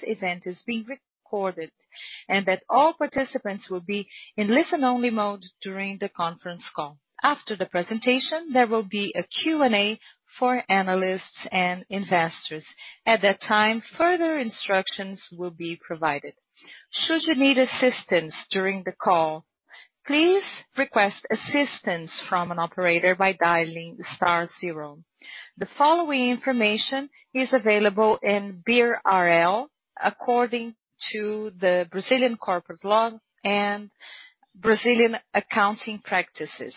This event is being recorded, and all participants will be in listen-only mode during the conference call. After the presentation, there will be a Q&A for analysts and investors. At that time, further instructions will be provided. Should you need assistance during the call, please request assistance from an operator by dialing star zero. The following information is available in BRL according to the Brazilian Corporate Law and Brazilian Accounting Practices,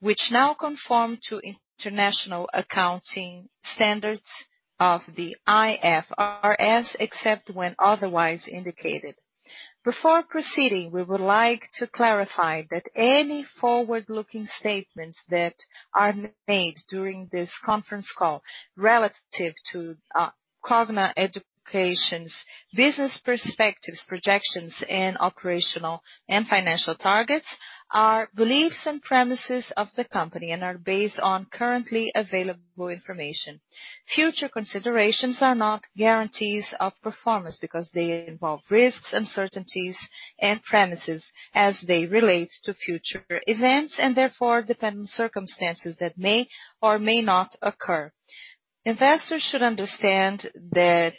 which now conform to international accounting standards of the IFRS, except when otherwise indicated. Before proceeding, we would like to clarify that any forward-looking statements that are made during this conference call relative to Cogna Educação's business perspectives, projections, and operational and financial targets are beliefs and premises of the company and are based on currently available information. Future considerations are not guarantees of performance because they involve risks, uncertainties and premises as they relate to future events and therefore depend on circumstances that may or may not occur. Investors should understand that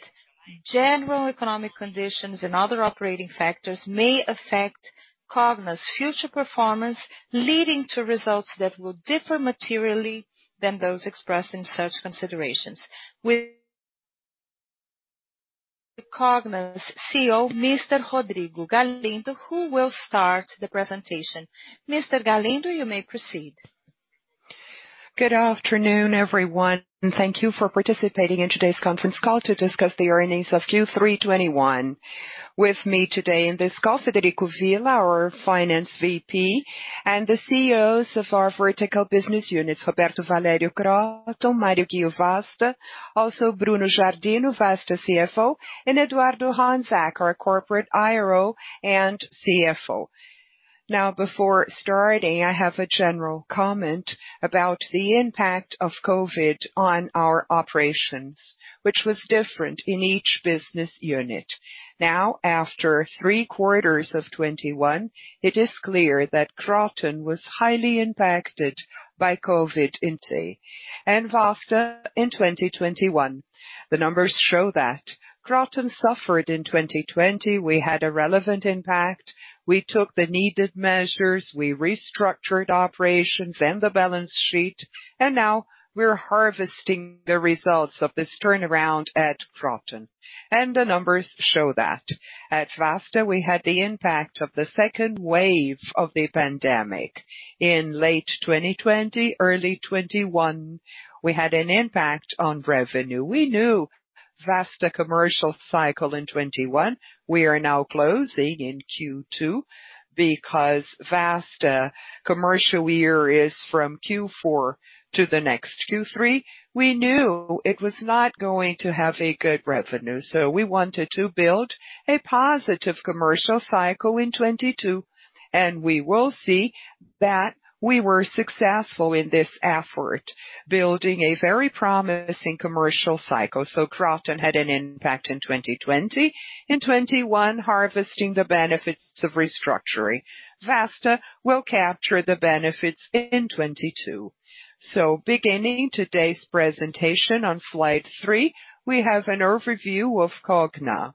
general economic conditions and other operating factors may affect Cogna's future performance, leading to results that will differ materially than those expressed in such considerations. With Cogna's CEO, Mr. Rodrigo Galindo, who will start the presentation. Mr. Galindo, you may proceed. Good afternoon, everyone, and thank you for participating in today's conference call to discuss the earnings of Q3 2021. With me today in this call, Frederico Villa, our Finance VP, and the CEOs of our vertical business units, Roberto Valério, Kroton, Mário Ghio Junior, Vasta, also Bruno Giardino, Vasta CFO, and Eduardo Honzák, our Corporate IRO and CFO. Now, before starting, I have a general comment about the impact of COVID-19 on our operations, which was different in each business unit. Now, after three quarters of 2021, it is clear that Kroton was highly impacted by COVID-19, and Vasta in 2021. The numbers show that Kroton suffered in 2020. We had a relevant impact. We took the needed measures. We restructured operations and the balance sheet. Now we're harvesting the results of this turnaround at Kroton. The numbers show that. At Vasta, we had the impact of the second wave of the pandemic. In late 2020, early 2021, we had an impact on revenue. We knew Vasta commercial cycle in 2021, we are now closing in Q2 because Vasta commercial year is from Q4 to the next Q3. We knew it was not going to have a good revenue. So we wanted to build a positive commercial cycle in 2022, and we will see that we were successful in this effort, building a very promising commercial cycle. Kroton had an impact in 2020. In 2021, harvesting the benefits of restructuring. Vasta will capture the benefits in 2022. Beginning today's presentation on slide three, we have an overview of Cogna.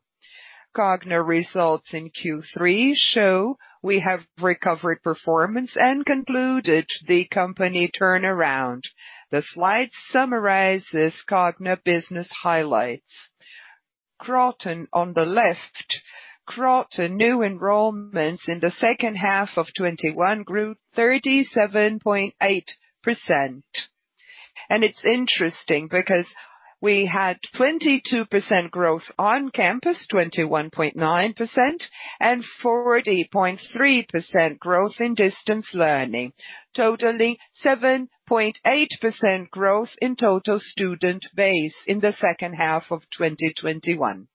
Cogna results in Q3 show we have recovered performance and concluded the company turnaround. The slide summarizes Cogna business highlights. Kroton on the left. Kroton new enrollments in the second half of 2021 grew 37.8%. It's interesting because we had 22% growth On-Campus, 21.9%, and 40.3% growth in Distance Learning. Total 7.8% growth in total student base in the second half of 2021.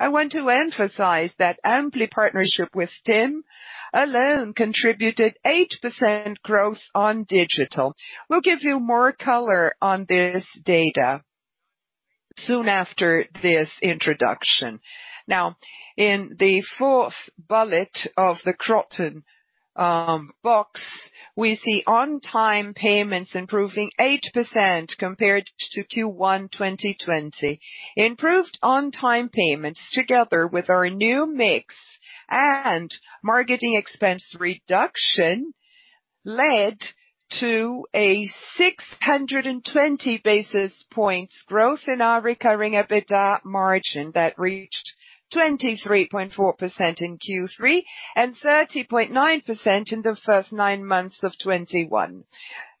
I want to emphasize that Ampli partnership with TIM alone contributed 8% growth on digital. We'll give you more color on this data soon after this introduction. Now, in the fourth bullet of the Kroton box, we see on-time payments improving 8 precentage points compared to Q1 2020. Improved on-time payments together with our new mix and marketing expense reduction led to a 620 basis points growth in our recurring EBITDA margin that reached 23.4% in Q3 and 30.9% in the first nine months of 2021.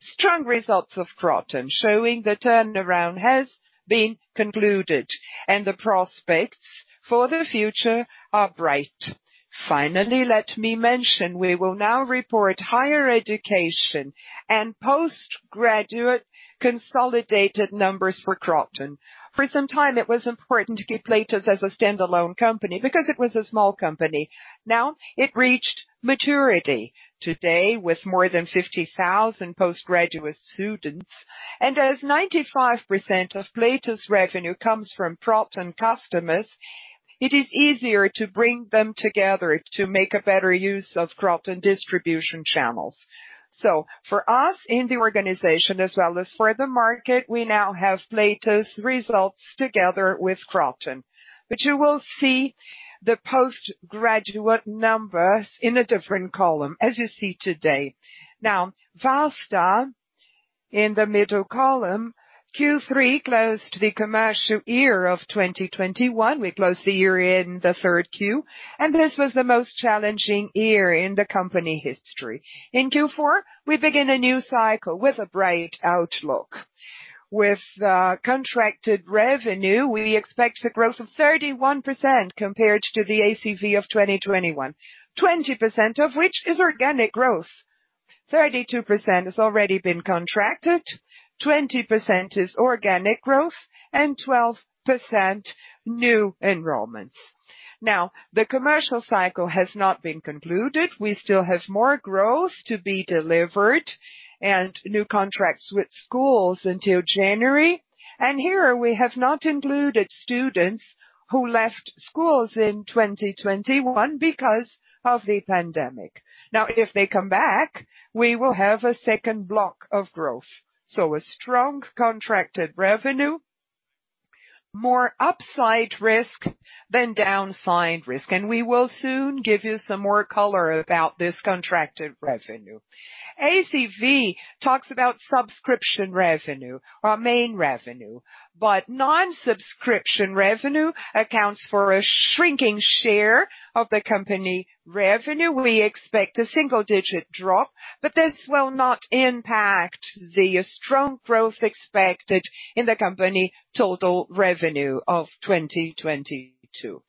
Strong results of Kroton showing the turnaround has been concluded and the prospects for the future are bright. Finally, let me mention we will now report higher education and post-graduate consolidated numbers for Kroton. For some time, it was important to keep Platos as a standalone company because it was a small company. Now, it reached maturity today with more than 50,000 post-graduate students. As 95% of Platos revenue comes from Kroton customers. It is easier to bring them together to make a better use of Kroton distribution channels. For us in the organization as well as for the market, we now have Platos results together with Kroton. You will see the postgraduate numbers in a different column as you see today. Now, Vasta in the middle column, Q3 closed the commercial year of 2021. We closed the year in third quarter, and this was the most challenging year in the company history. In Q4, we begin a new cycle with a bright outlook. With contracted revenue, we expect a growth of 31% compared to the ACV of 2021. 20% of which is organic growth. 32% has already been contracted, 20% is organic growth, and 12% new enrollments. Now, the commercial cycle has not been concluded. We still have more growth to be delivered and new contracts with schools until January. Here we have not included students who left schools in 2021 because of the pandemic. Now, if they come back, we will have a second block of growth. A strong contracted revenue, more upside risk than downside risk. We will soon give you some more color about this contracted revenue. ACV talks about subscription revenue, our main revenue. But non-subscription revenue accounts for a shrinking share of the company revenue. We expect a single digit drop, but this will not impact the strong growth expected in the company total revenue of 2022.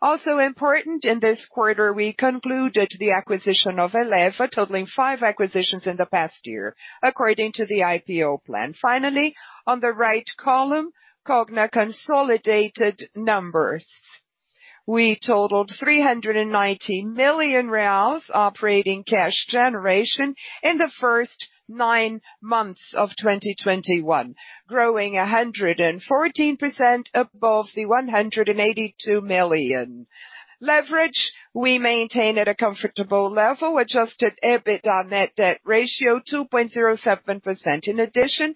Also important, in this quarter, we concluded the acquisition of Eleva, totaling five acquisitions in the past year, according to the IPO plan. Finally, on the right column, Cogna consolidated numbers. We totaled 390 million reais operating cash generation in the first nine months of 2021, growing 114% above the 182 million. Leverage, we maintain at a comfortable level. Adjusted EBITDA net debt ratio 2.07x. In addition,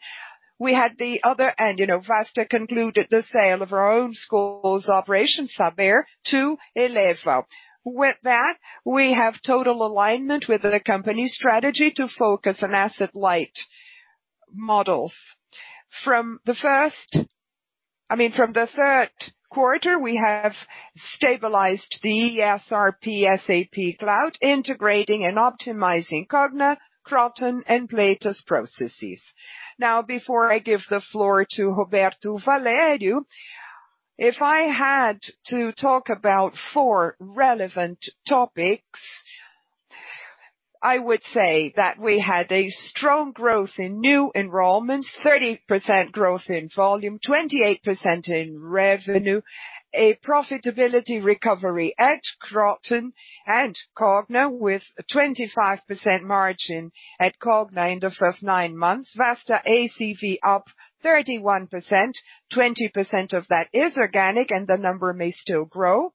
we had the other end. You know, Vasta concluded the sale of our own schools operation software to Eleva. With that, we have total alignment with the company strategy to focus on asset-light models. From the third quarter, we have stabilized the ERP SAP Cloud, integrating and optimizing Cogna, Kroton, and Platos processes. Now, before I give the floor to Roberto Valério, if I had to talk about four relevant topics, I would say that we had a strong growth in new enrollments, 30% growth in volume, 28% in revenue, a profitability recovery at Kroton and Cogna, with a 25% margin at Cogna in the first nine months. Vasta ACV up 31%. 20% of that is organic, and the number may still grow.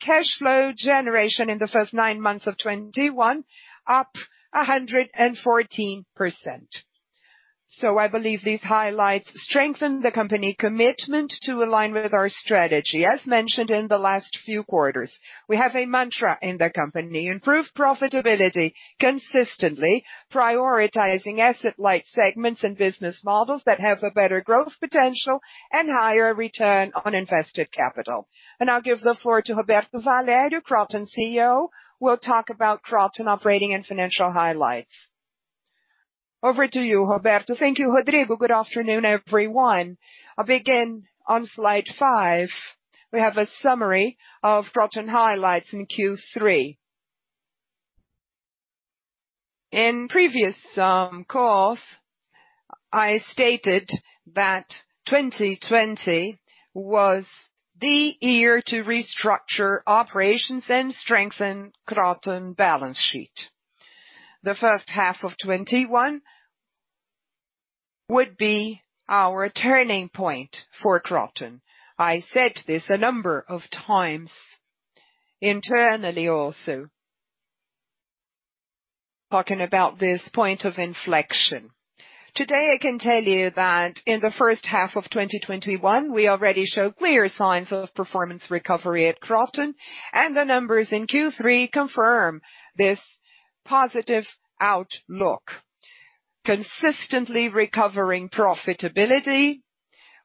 Cash flow generation in the first nine months of 2021 up 114%. I believe these highlights strengthen the company commitment to align with our strategy. As mentioned in the last few quarters, we have a mantra in the company, improve profitability consistently, prioritizing asset-light segments and business models that have a better growth potential and higher return on invested capital. I'll give the floor to Roberto Valério, Kroton CEO, who will talk about Kroton operating and financial highlights. Over to you, Roberto. Thank you, Rodrigo. Good afternoon, everyone. I'll begin on slide five. We have a summary of Kroton highlights in Q3. In previous calls, I stated that 2020 was the year to restructure operations and strengthen Kroton balance sheet. The first half of 2021 would be our turning point for Kroton. I said this a number of times internally also, talking about this point of inflection. Today, I can tell you that in the first half of 2021, we already show clear signs of performance recovery at Kroton, and the numbers in Q3 confirm this positive outlook. Consistently recovering profitability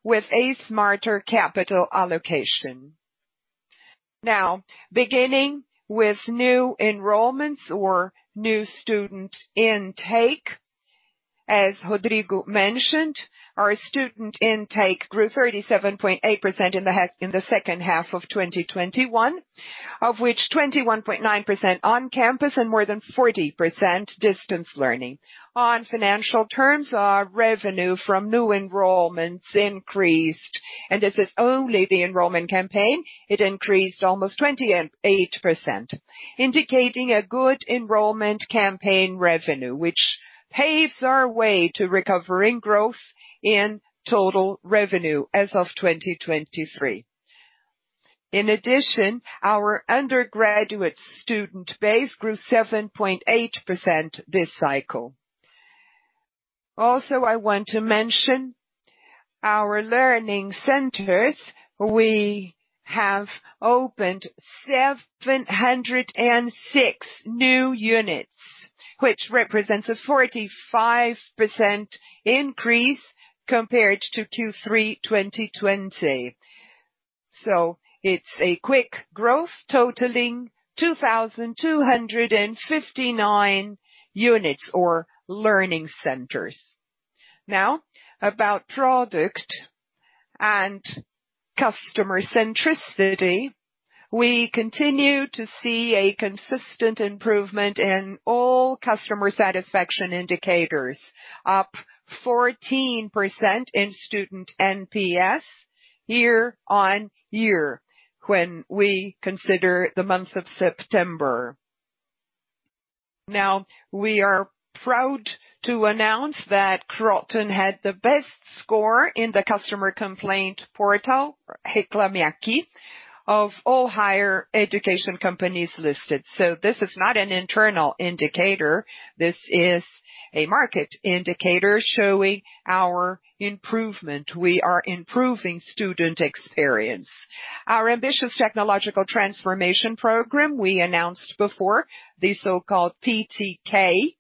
with a smarter capital allocation. Now, beginning with new enrollments or new student intake, as Rodrigo mentioned, our student intake grew 37.8% in the second half of 2021, of which 21.9% On-Campus and more than 40% Distance Learning. On financial terms, our revenue from new enrollments increased, and this is only the enrollment campaign. It increased almost 28%, indicating a good enrollment campaign revenue, which paves our way to recovering growth in total revenue as of 2023. In addition, our undergraduate student base grew 7.8% this cycle. Also, I want to mention our learning centers. We have opened 706 new units, which represents a 45% increase compared to Q3 2020. It's a quick growth totaling 2,259 units or learning centers. Now about product and customer centricity. We continue to see a consistent improvement in all customer satisfaction indicators, up 14 percentage points in student NPS year-on-year when we consider the month of September. Now, we are proud to announce that Kroton had the best score in the customer complaint portal, Reclame Aqui, of all higher education companies listed. This is not an internal indicator. This is a market indicator showing our improvement. We are improving student experience. Our ambitious technological transformation program we announced before, the so-called PTK,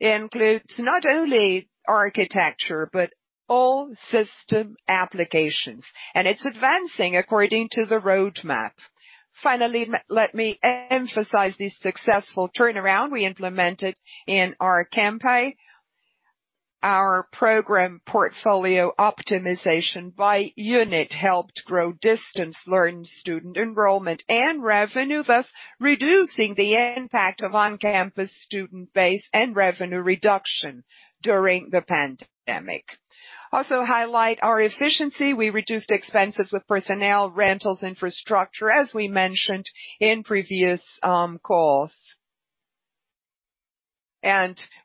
includes not only architecture, but all system applications, and it's advancing according to the roadmap. Finally, let me emphasize the successful turnaround we implemented in our campaign. Our program portfolio optimization by unit helped grow Distance Learning student enrollment and revenue, thus reducing the impact of On-Campus student base and revenue reduction during the pandemic. Also highlight our efficiency. We reduced expenses with personnel, rentals, infrastructure, as we mentioned in previous calls.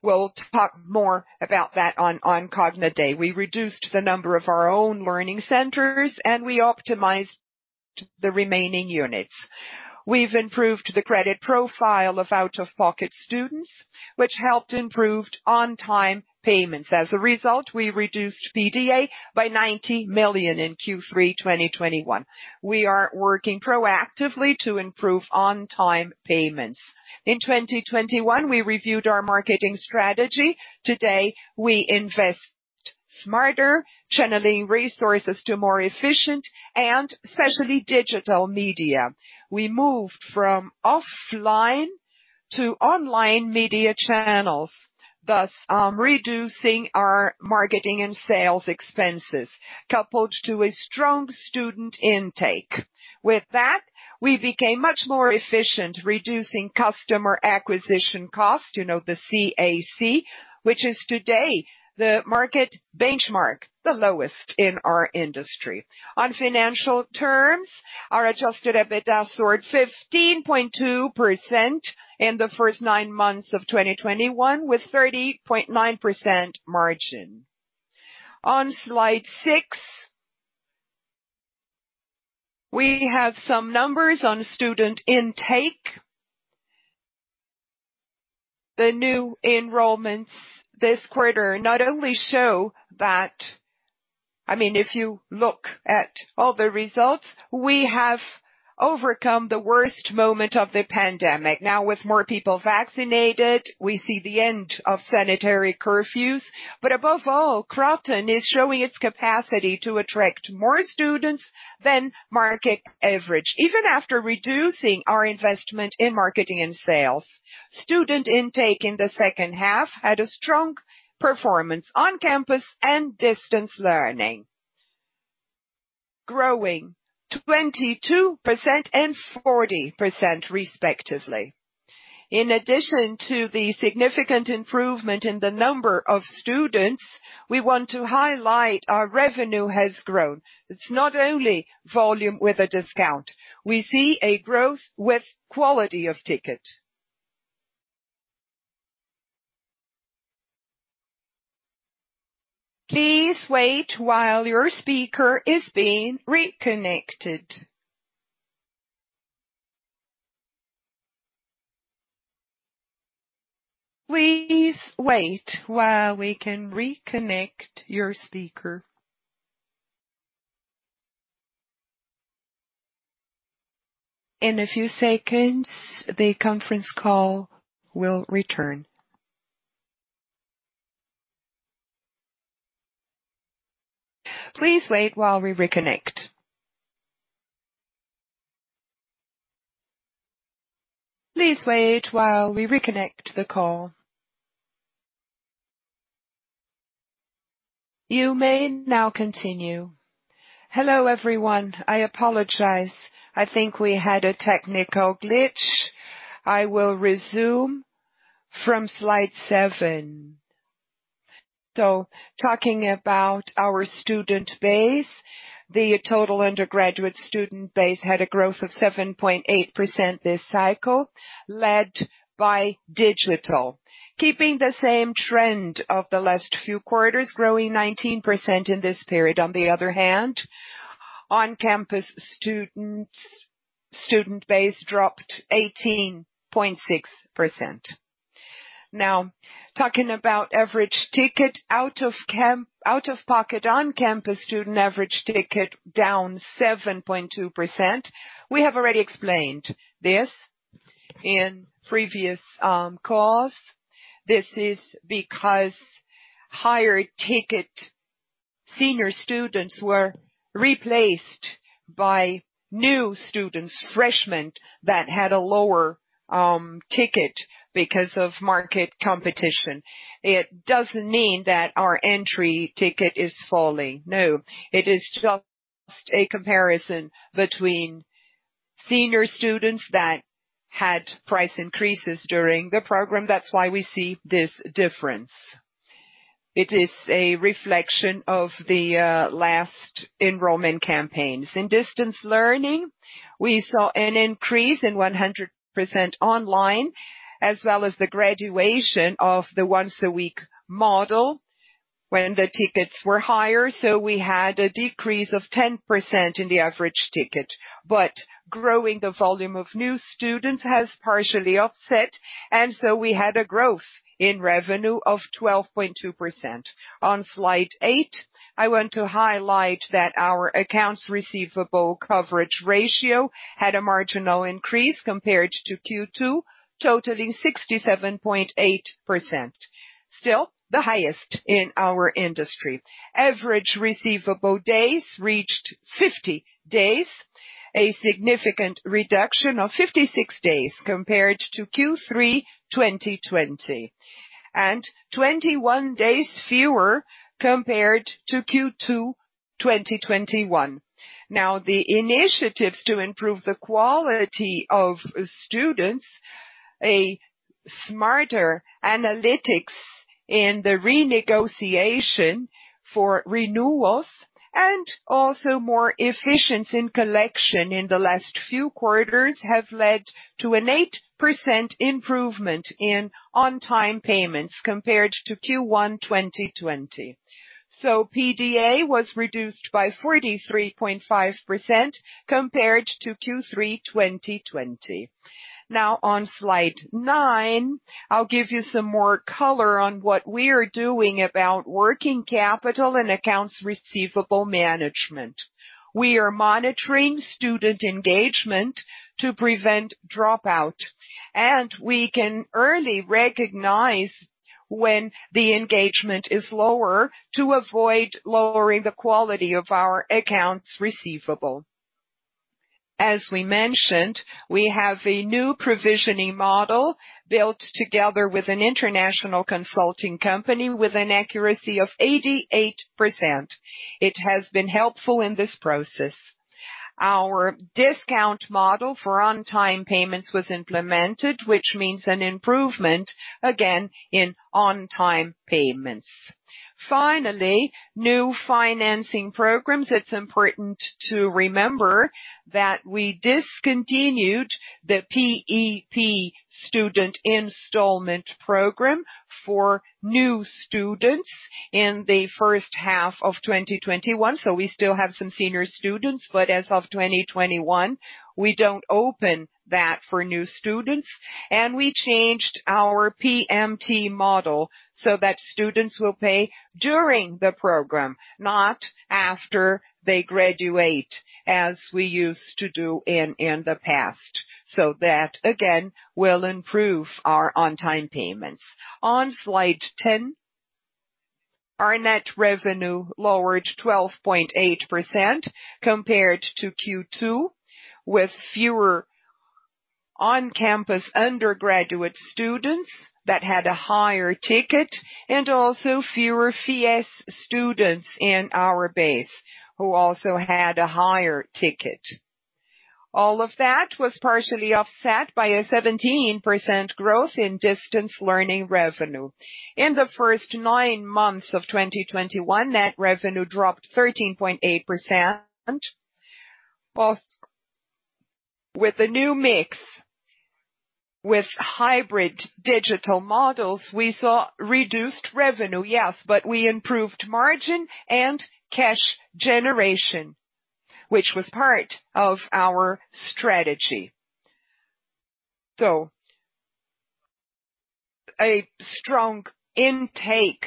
We'll talk more about that on Cogna Day. We reduced the number of our own learning centers, and we optimized the remaining units. We've improved the credit profile of out-of-pocket students, which helped improved on-time payments. As a result, we reduced PDA by 90 million in Q3 2021. We are working proactively to improve on-time payments. In 2021, we reviewed our marketing strategy. Today, we invest smarter, channeling resources to more efficient and especially digital media. We moved from offline to online media channels, thus, reducing our marketing and sales expenses coupled to a strong student intake. With that, we became much more efficient, reducing customer acquisition cost, you know, the CAC, which is today the market benchmark, the lowest in our industry. On financial terms, our Adjusted EBITDA soared 15.2 percentage points in the first nine months of 2021 with 30.9% margin. On slide six, we have some numbers on student intake. The new enrollments this quarter not only show that I mean, if you look at all the results, we have overcome the worst moment of the pandemic. Now, with more people vaccinated, we see the end of sanitary curfews. Above all, Kroton is showing its capacity to attract more students than market average, even after reducing our investment in marketing and sales. Student intake in the second half had a strong performance On-Campus and Distance Learning, growing 22% and 40%, respectively. In addition to the significant improvement in the number of students, we want to highlight our revenue has grown. It's not only volume with a discount. We see a growth with quality of ticket. Hello, everyone. I apologize. I think we had a technical glitch. I will resume from slide seven. Talking about our student base, the total undergraduate student base had a growth of 7.8% this cycle, led by digital. Keeping the same trend of the last few quarters, growing 19% in this period. On the other hand, On-Campus students, student base dropped 18.6%. Now talking about average ticket out-of-pocket On-Campus student average ticket down 7.2%. We have already explained this in previous calls. This is because higher ticket senior students were replaced by new students, freshmen, that had a lower ticket because of market competition. It doesn't mean that our entry ticket is falling. No, it is just a comparison between senior students that had price increases during the program. That's why we see this difference. It is a reflection of the last enrollment campaigns. In Distance Learning, we saw an increase in 100% online, as well as the graduation of the once-a-week model when the tickets were higher. We had a decrease of 10% in the average ticket. Growing the volume of new students has partially offset, and we had a growth in revenue of 12.2%. On slide eight, I want to highlight that our accounts receivable coverage ratio had a marginal increase compared to Q2, totaling 67.8%, still the highest in our industry. Average receivable days reached 50 days, a significant reduction of 56 days compared to Q3 2020, and 21 days fewer compared to Q2 2021. Now, the initiatives to improve the quality of students, a smarter analytics in the renegotiation for renewals, and also more efficiency in collection in the last few quarters, have led to an 8% improvement in on-time payments compared to Q1 2020. PDA was reduced by 43.5% compared to Q3 2020. Now on slide nine, I'll give you some more color on what we are doing about working capital and accounts receivable management. We are monitoring student engagement to prevent dropout, and we can early recognize when the engagement is lower to avoid lowering the quality of our accounts receivable. As we mentioned, we have a new provisioning model built together with an international consulting company with an accuracy of 88%. It has been helpful in this process. Our discount model for on-time payments was implemented, which means an improvement again in on-time payments. Finally, new financing programs. It's important to remember that we discontinued the PEP student installment program for new students in the first half of 2021. We still have some senior students, but as of 2021, we don't open that for new students. We changed our PMT model so that students will pay during the program, not after they graduate, as we used to do in the past. That, again, will improve our on-time payments. On slide 10, our net revenue lowered 12.8% compared to Q2, with fewer On-Campus undergraduate students that had a higher ticket and also fewer FIES students in our base, who also had a higher ticket. All of that was partially offset by a 17% growth in Distance Learning revenue. In the first nine months of 2021, net revenue dropped 13.8%. With the new mix, with hybrid digital models, we saw reduced revenue, yes, but we improved margin and cash generation, which was part of our strategy. A strong intake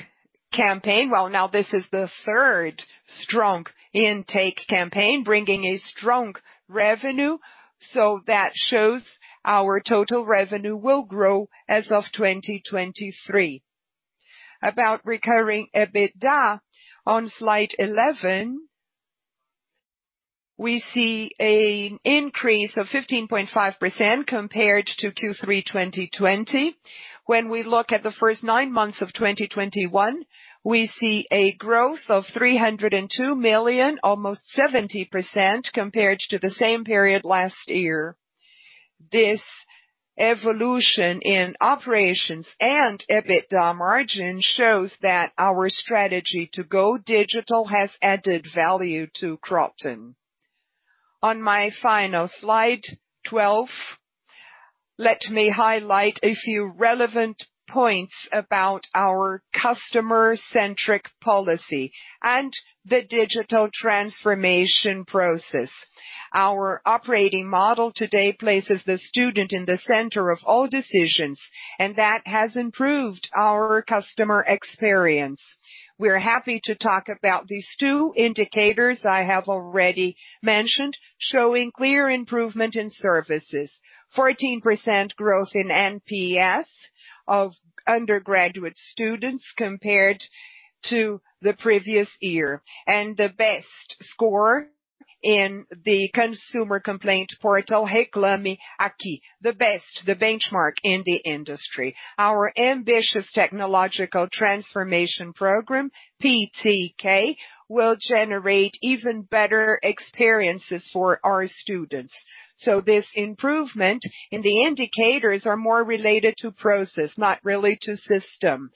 campaign. Well, now this is the third strong intake campaign, bringing a strong revenue, so that shows our total revenue will grow as of 2023. About recurring EBITDA on slide 11, we see an increase of 15.5% compared to Q3 2020. When we look at the first nine months of 2021, we see a growth of 302 million, almost 70% compared to the same period last year. This evolution in operations and EBITDA margin shows that our strategy to go digital has added value to Kroton. On my final slide 12, let me highlight a few relevant points about our customer-centric policy and the digital transformation process. Our operating model today places the student in the center of all decisions, and that has improved our customer experience. We're happy to talk about these two indicators I have already mentioned, showing clear improvement in services. 14 percentage points growth in NPS of undergraduate students compared to the previous year. The best score in the consumer complaint portal, Reclame Aqui. The best, the benchmark in the industry. Our ambitious technological transformation program, PTK, will generate even better experiences for our students. This improvement in the indicators are more related to process, not really to system.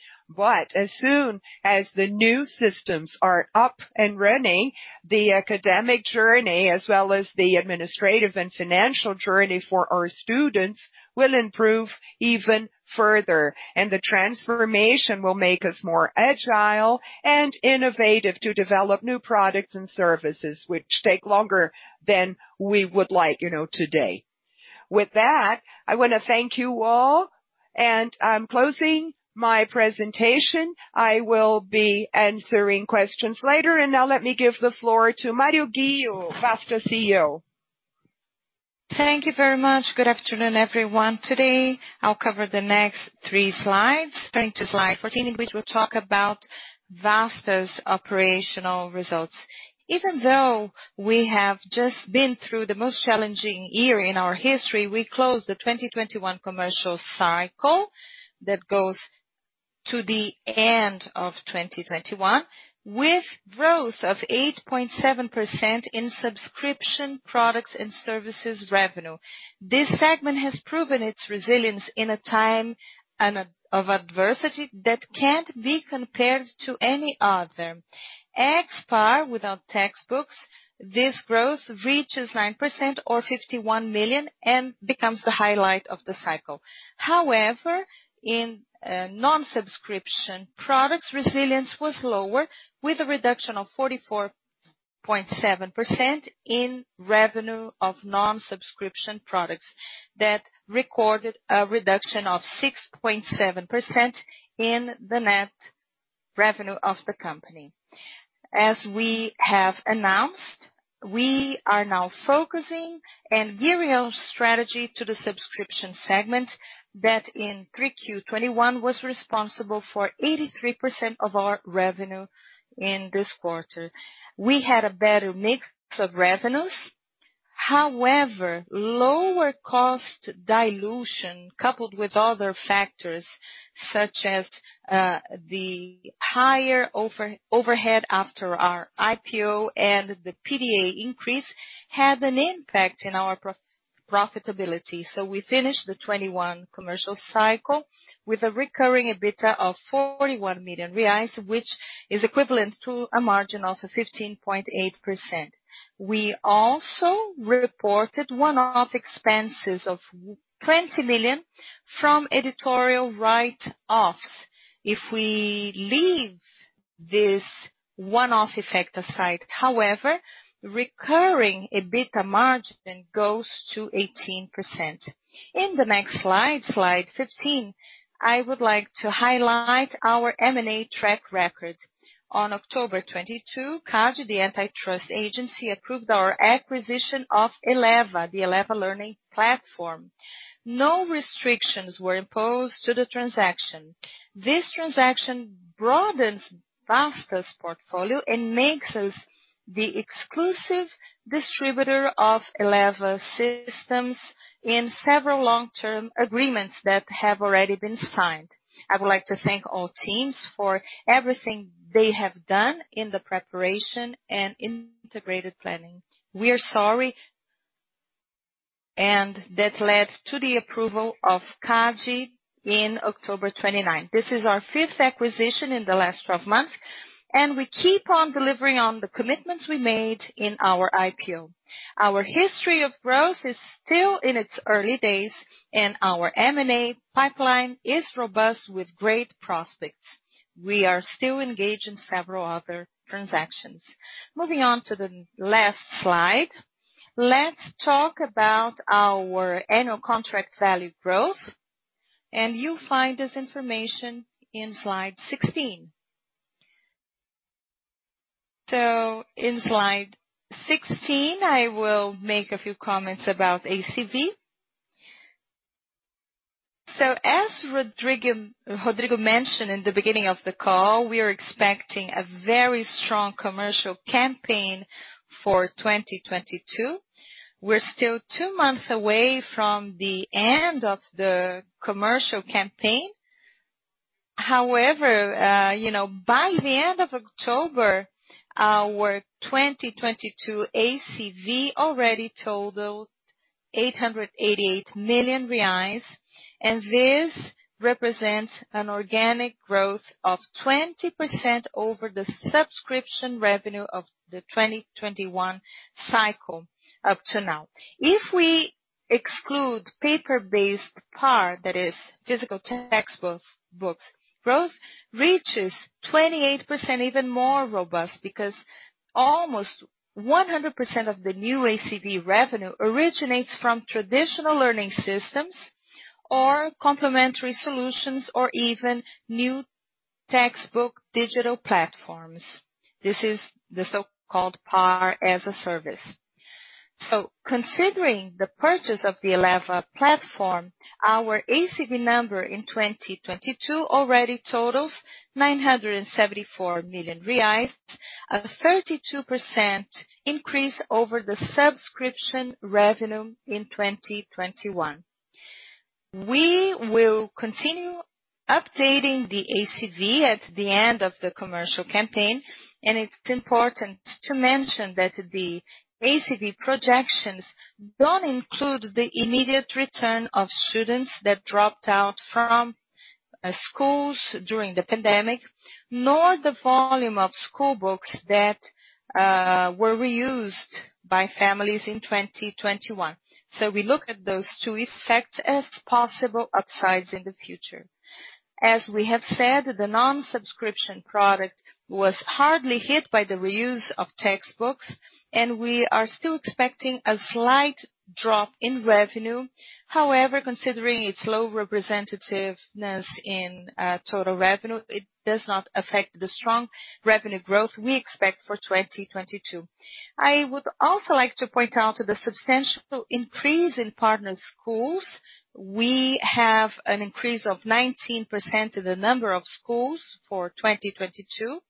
As soon as the new systems are up and running, the academic journey, as well as the administrative and financial journey for our students will improve even further, and the transformation will make us more agile and innovative to develop new products and services which take longer than we would like, you know, today. With that, I wanna thank you all and I'm closing my presentation. I will be answering questions later. Now let me give the floor to Mário Ghio Junior, Vasta CEO. Thank you very much. Good afternoon, everyone. Today, I'll cover the next three slides, starting to slide 14, in which we'll talk about Vasta's operational results. Even though we have just been through the most challenging year in our history, we closed the 2021 commercial cycle that goes to the end of 2021 with growth of 8.7% in subscription products and services revenue. This segment has proven its resilience in a time of adversity that can't be compared to any other. Without textbooks, this growth reaches 9% or 51 million and becomes the highlight of the cycle. However, in non-subscription products, resilience was lower, with a reduction of 44.7% in revenue of non-subscription products that recorded a reduction of 6.7% in the net revenue of the company. As we have announced, we are now focusing and gearing our strategy to the subscription segment that in 3Q 2021 was responsible for 83% of our revenue in this quarter. We had a better mix of revenues. However, lower cost dilution coupled with other factors such as the higher overhead after our IPO and the PDA increase had an impact in our profitability. We finished the 2021 commercial cycle with a recurring EBITDA of 41 million reais, which is equivalent to a margin of 15.8%. We also reported one-off expenses of 20 million from editorial write-offs. If we leave this one-off effect aside, however, recurring EBITDA margin goes to 18%. In the next slide 15, I would like to highlight our M&A track record. On October 22, CADE, the antitrust agency, approved our acquisition of Eleva, the Eleva learning platform. No restrictions were imposed to the transaction. This transaction broadens Vasta's portfolio and makes us the exclusive distributor of Eleva systems in several long-term agreements that have already been signed. I would like to thank all teams for everything they have done in the preparation and integrated planning. We are sorted, and that led to the approval of CADE in October 29. This is our fifth acquisition in the last 12 months, and we keep on delivering on the commitments we made in our IPO. Our history of growth is still in its early days, and our M&A pipeline is robust with great prospects. We are still engaged in several other transactions. Moving on to the last slide, let's talk about our annual contract value growth, and you'll find this information in slide 16. In slide 16, I will make a few comments about ACV. As Rodrigo mentioned in the beginning of the call, we are expecting a very strong commercial campaign for 2022. We're still two months away from the end of the commercial campaign. However, you know, by the end of October, our 2022 ACV already totaled 888 million reais. This represents an organic growth of 20% over the subscription revenue of the 2021 cycle up to now. If we exclude paper-based PAR, that is physical textbooks, books, growth reaches 28%, even more robust because almost 100% of the new ACV revenue originates from traditional learning systems or complementary solutions or even new textbook digital platforms. This is the so-called PAR as a service. Considering the purchase of the Eleva platform, our ACV number in 2022 already totals 974 million reais, a 32% increase over the subscription revenue in 2021. We will continue updating the ACV at the end of the commercial campaign, and it's important to mention that the ACV projections don't include the immediate return of students that dropped out from schools during the pandemic, nor the volume of school books that were reused by families in 2021. We look at those two effects as possible upsides in the future. As we have said, the non-subscription product was hard hit by the reuse of textbooks, and we are still expecting a slight drop in revenue. However, considering its low representativeness in total revenue, it does not affect the strong revenue growth we expect for 2022. I would also like to point out the substantial increase in partner schools. We have an increase of 19% in the number of schools for 2022,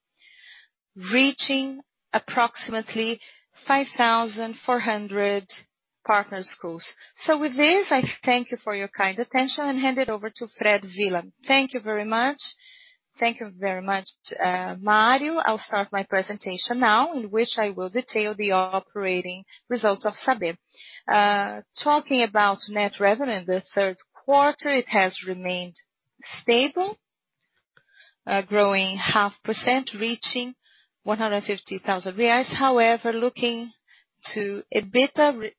reaching approximately 5,400 partner schools. With this, I thank you for your kind attention and hand it over to Fred Villa. Thank you very much. Thank you very much to Mário. I'll start my presentation now, in which I will detail the operating results of Saber. Talking about net revenue in the third quarter, it has remained stable, growing half percent, reaching 150,000 reais. However, looking to EBITDA,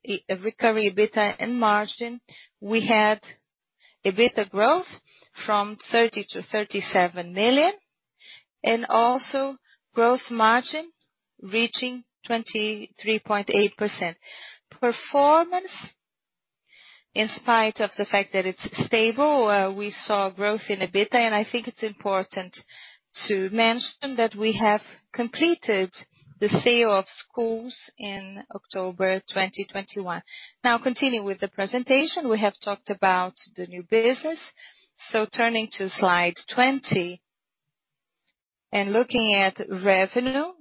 recurring EBITDA and margin, we had EBITDA growth from 30 million-37 million and also growth margin reaching 23.8%. Performance, in spite of the fact that it's stable, we saw growth in EBITDA, and I think it's important to mention that we have completed the sale of schools in October 2021. Continuing with the presentation, we have talked about the new business. Turning to slide 20 and looking at revenue.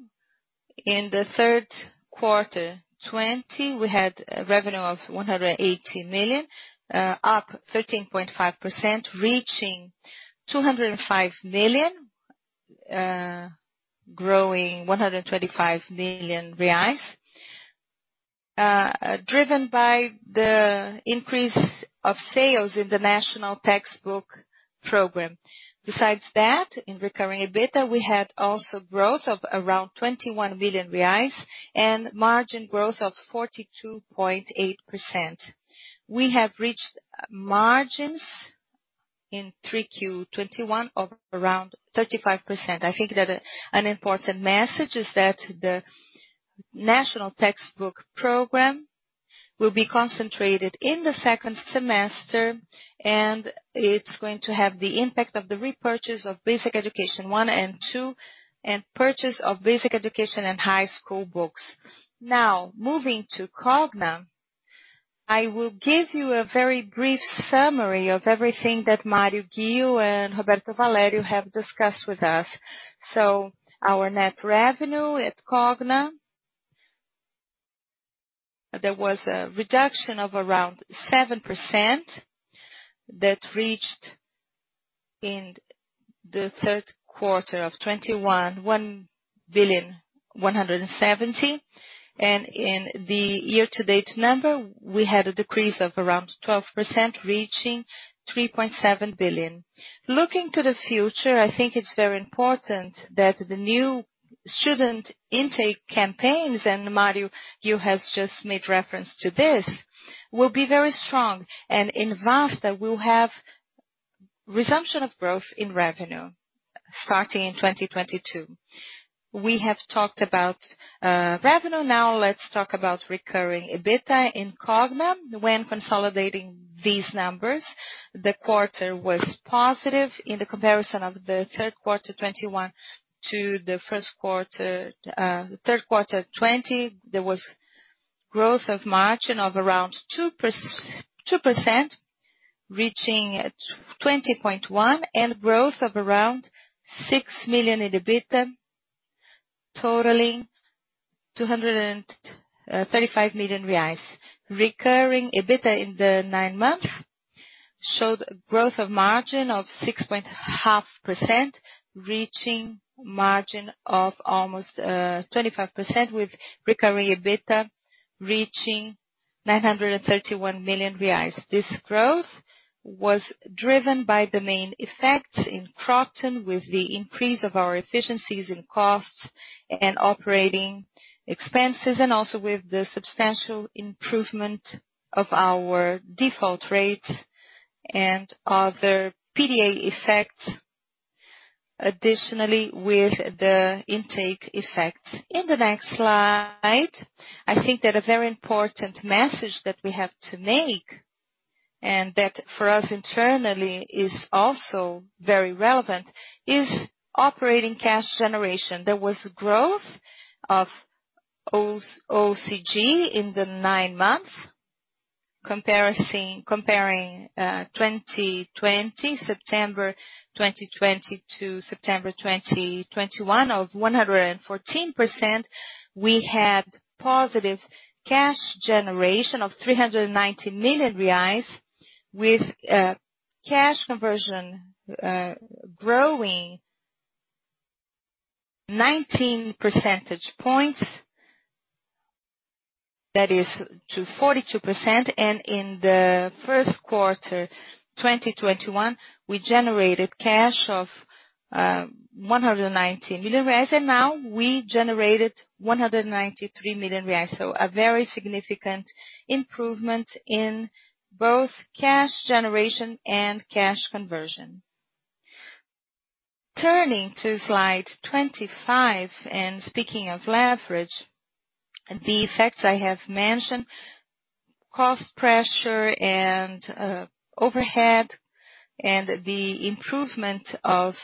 In the third quarter 2020, we had revenue of 180 million, up 13.5%, reaching 205 million, growing 125 million reais, driven by the increase of sales in the national textbook program. Besides that, in recurring EBITDA, we had also growth of around 21 million reais and margin growth of 42.8%. We have reached margins in 3Q 2021 of around 35%. I think that an important message is that the national textbook program will be concentrated in the second semester, and it's going to have the impact of the repurchase of Basic Education 1 and 2 and purchase of Basic Education and high school books. Now moving to Cogna. I will give you a very brief summary of everything that Mário Ghio Junior and Roberto Valério have discussed with us. Our net revenue at Cogna, there was a reduction of around 7% that reached BRL 1.17 billion in the third quarter of 2021. In the year-to-date number, we had a decrease of around 12%, reaching 3.7 billion. Looking to the future, I think it's very important that the new student intake campaigns, and Mário Ghio Junior has just made reference to this, will be very strong. In Vasta, we'll have resumption of growth in revenue starting in 2022. We have talked about revenue. Now let's talk about recurring EBITDA in Cogna. When consolidating these numbers, the quarter was positive. In the comparison of the third quarter 2021 to the third quarter 2020, there was growth of margin of around 2%, reaching 20.1%, and growth of around 6 million in EBITDA totaling 235 million reais. Recurring EBITDA in the nine months showed growth of margin of 6.5 percentage points, reaching margin of almost 25% with recurring EBITDA reaching 931 million reais. This growth was driven by the main effects in Kroton with the increase of our efficiencies in costs and operating expenses, and also with the substantial improvement of our default rates and other PDA effects. Additionally, with the intake effects. In the next slide, I think that a very important message that we have to make, and that for us internally is also very relevant, is operating cash generation. There was growth of OCG in the nine months, comparing 2020, September 2020-September 2021 of 114%. We had positive cash generation of 390 million reais with cash conversion growing 19 percentage points. That is to 42%. In the first quarter, 2021, we generated cash of 190 million reais. Now we generated 193 million reais. A very significant improvement in both cash generation and cash conversion. Turning to slide 25. And speaking of leverage, the effects I have mentioned, cost pressure and overhead and the improvement of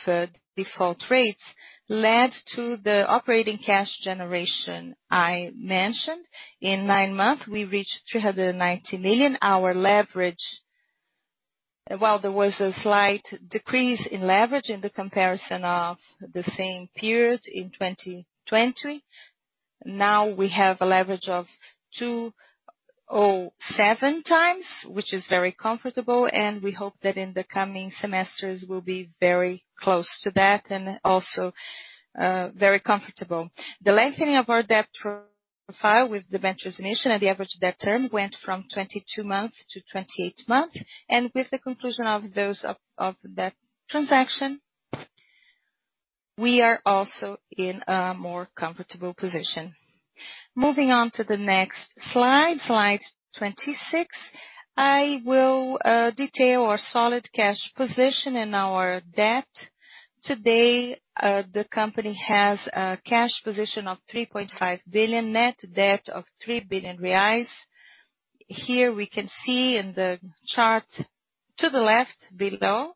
default rates led to the operating cash generation I mentioned. In nine months we reached 390 million. Our leverage. Well, there was a slight decrease in leverage in the comparison of the same period in 2020. Now we have a leverage of 2.07x, which is very comfortable, and we hope that in the coming semesters we'll be very close to that and also very comfortable. The lengthening of our debt profile with the ventures initiative and the average debt term went from 22 months-28 months. With the conclusion of that transaction, we are also in a more comfortable position. Moving on to the next slide 26. I will detail our solid cash position and our debt. Today, the company has a cash position of 3.5 billion net, debt of 3 billion reais. Here we can see in the chart to the left below,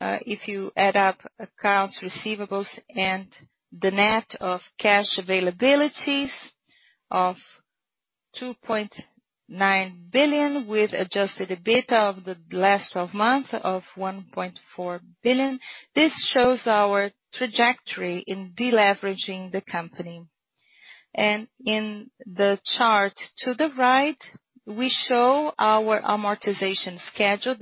if you add up accounts receivables and the net of cash availabilities of 2.9 billion with Adjusted EBITDA of the last 12 months of 1.4 billion. This shows our trajectory in de-leveraging the company. In the chart to the right, we show our amortization schedule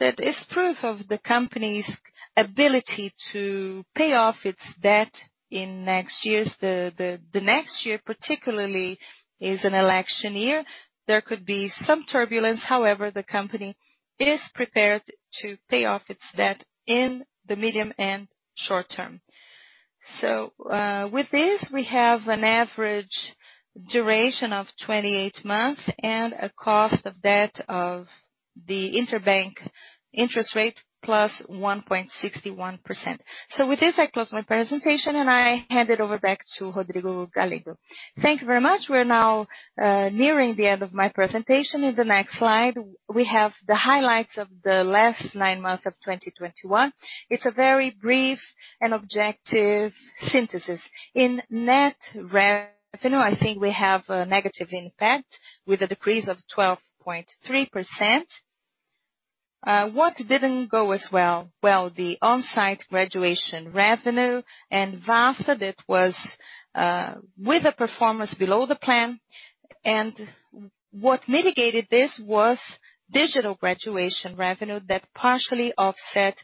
that is proof of the company's ability to pay off its debt in next years. The next year particularly is an election year. There could be some turbulence. However, the company is prepared to pay off its debt in the medium and short-term. With this we have an average duration of 28 months and a cost of debt of the interbank interest rate +1.61%. With this, I close my presentation and I hand it over back to Rodrigo Galindo. Thank you very much. We're now nearing the end of my presentation. In the next slide, we have the highlights of the last nine months of 2021. It's a very brief and objective synthesis. In net revenue, you know, I think we have a negative impact with a decrease of 12.3%. What didn't go as well? Well, the on-site graduation revenue and Vasta that was with a performance below the plan. What mitigated this was digital graduation revenue that partially offset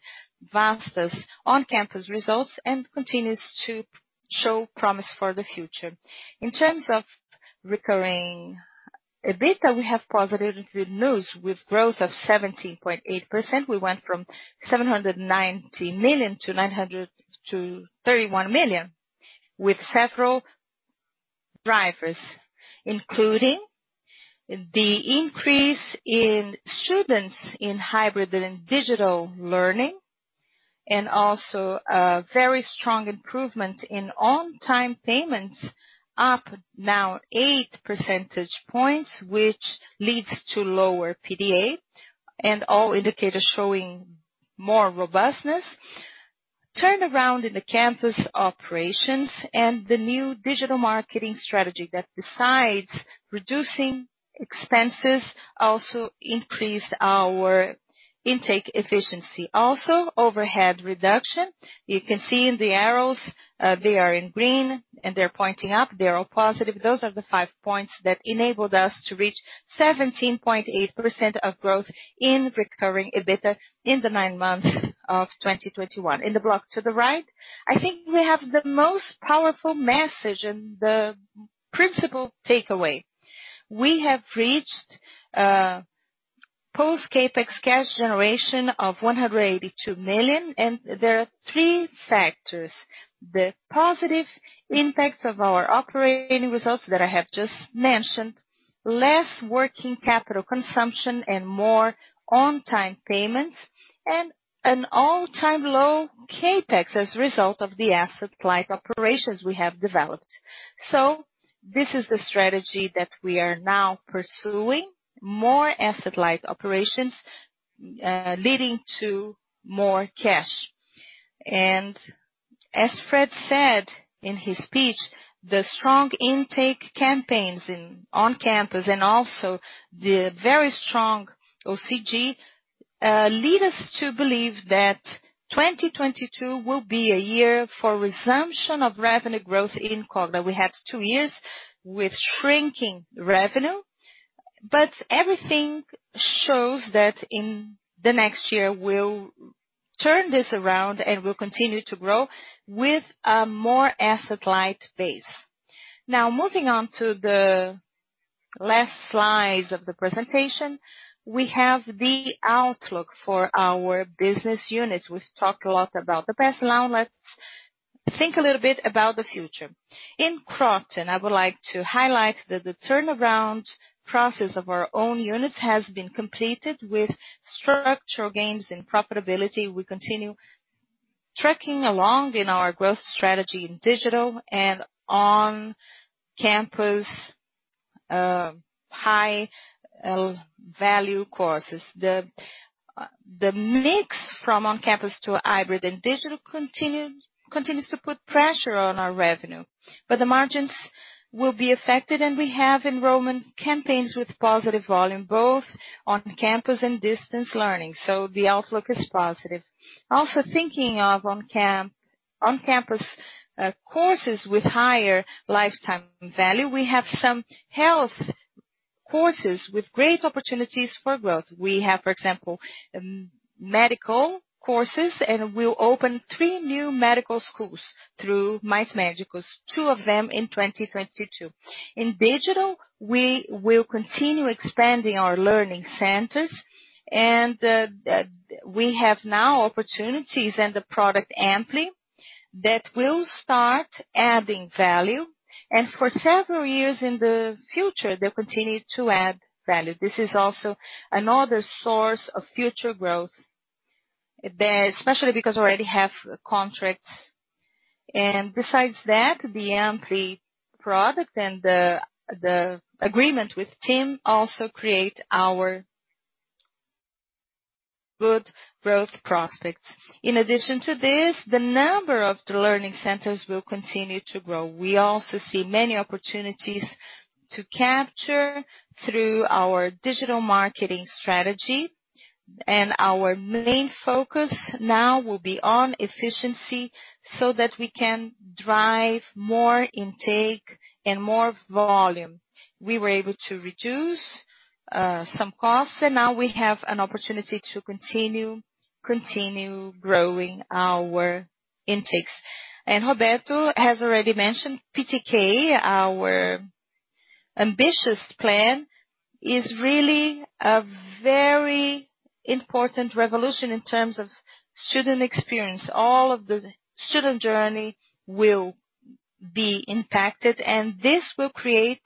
Vasta's On-Campus results and continues to show promise for the future. In terms of recurring EBITDA, we have positive good news. With growth of 17.8%, we went from 790 million-931 million, with several drivers, including the increase in students in hybrid and digital learning, and also a very strong improvement in on-time payments, up now 8 percentage points. Which leads to lower PDA, and all indicators showing more robustness. Turnaround in the campus operations and the new digital marketing strategy that besides reducing expenses, also increased our intake efficiency. Also, overhead reduction. You can see in the arrows, they are in green and they're pointing up. They are all positive. Those are the five points that enabled us to reach 17.8% of growth in recurring EBITDA in the nine months of 2021. In the block to the right, I think we have the most powerful message and the principal takeaway. We have reached post CapEx cash generation of 182 million, and there are three factors. The positive impacts of our operating results that I have just mentioned, less working capital consumption and more on-time payments, and an all-time low CapEx as a result of the asset-light operations we have developed. This is the strategy that we are now pursuing, more asset-light operations, leading to more cash. As Fred said in his speech, the strong intake campaigns in On-Campus and also the very strong OCG lead us to believe that 2022 will be a year for resumption of revenue growth in Cogna. We had two years with shrinking revenue. Everything shows that in the next year we'll turn this around, and we'll continue to grow with a more asset-light base. Now moving on to the last slides of the presentation. We have the outlook for our business units. We've talked a lot about the past. Now let's think a little bit about the future. In Kroton, I would like to highlight that the turnaround process of our own units has been completed with structural gains in profitability. We continue trekking along in our growth strategy in digital and On-Campus high value courses. The mix from On-Campus to hybrid and digital continues to put pressure on our revenue, but the margins will be affected, and we have enrollment campaigns with positive volume, both on campus and Distance Learning, so the outlook is positive. Also thinking of On-Campus courses with higher lifetime value, we have some health courses with great opportunities for growth. We have, for example, medical courses, and we'll open three new medical schools through Mais Médicos. Two of them in 2022. In digital, we will continue expanding our learning centers and we have now opportunities and the product Ampli that will start adding value. For several years in the future they'll continue to add value. This is also another source of future growth, especially because we already have contracts. Besides that, the Ampli product and the agreement with TIM also create our good growth prospects. In addition to this, the number of the learning centers will continue to grow. We also see many opportunities to capture through our digital marketing strategy, and our main focus now will be on efficiency so that we can drive more intake and more volume. We were able to reduce some costs, and now we have an opportunity to continue growing our intakes. Roberto Valério has already mentioned PTK. Our ambitious plan is really a very important revolution in terms of student experience. All of the student journey will be impacted, and this will create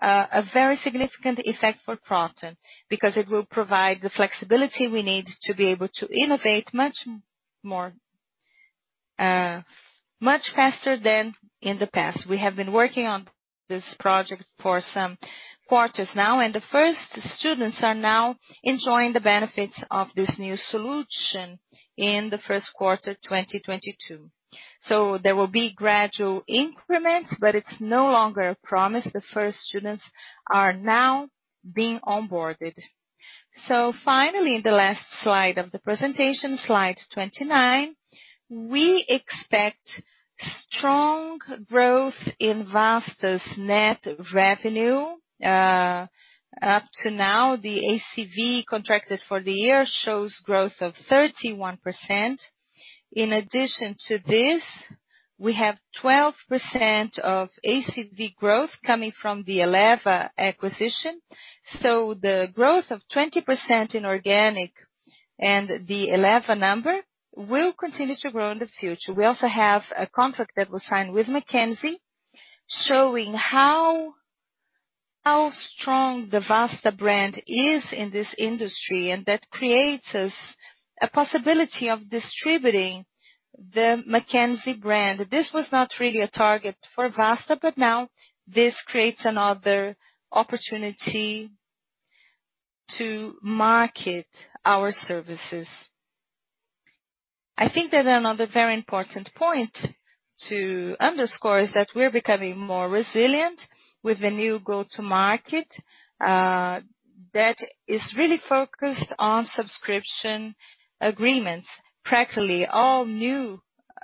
a very significant effect for Kroton because it will provide the flexibility we need to be able to innovate much more much faster than in the past. We have been working on this project for some quarters now, and the first students are now enjoying the benefits of this new solution in the first quarter 2022. There will be gradual increments, but it's no longer a promise. The first students are now being onboarded. Finally, the last slide of the presentation, slide 29. We expect strong growth in Vasta's net revenue. Up to now, the ACV contracted for the year shows growth of 31%. In addition to this, we have 12% of ACV growth coming from the Eleva acquisition. The growth of 20% in organic and the Eleva number will continue to grow in the future. We also have a contract that was signed with Mackenzie showing how strong the Vasta brand is in this industry, and that creates us a possibility of distributing the Mackenzie brand. This was not really a target for Vasta, but now this creates another opportunity to market our services. I think that another very important point to underscore is that we're becoming more resilient with the new go-to-market, that is really focused on subscription agreements. Practically all new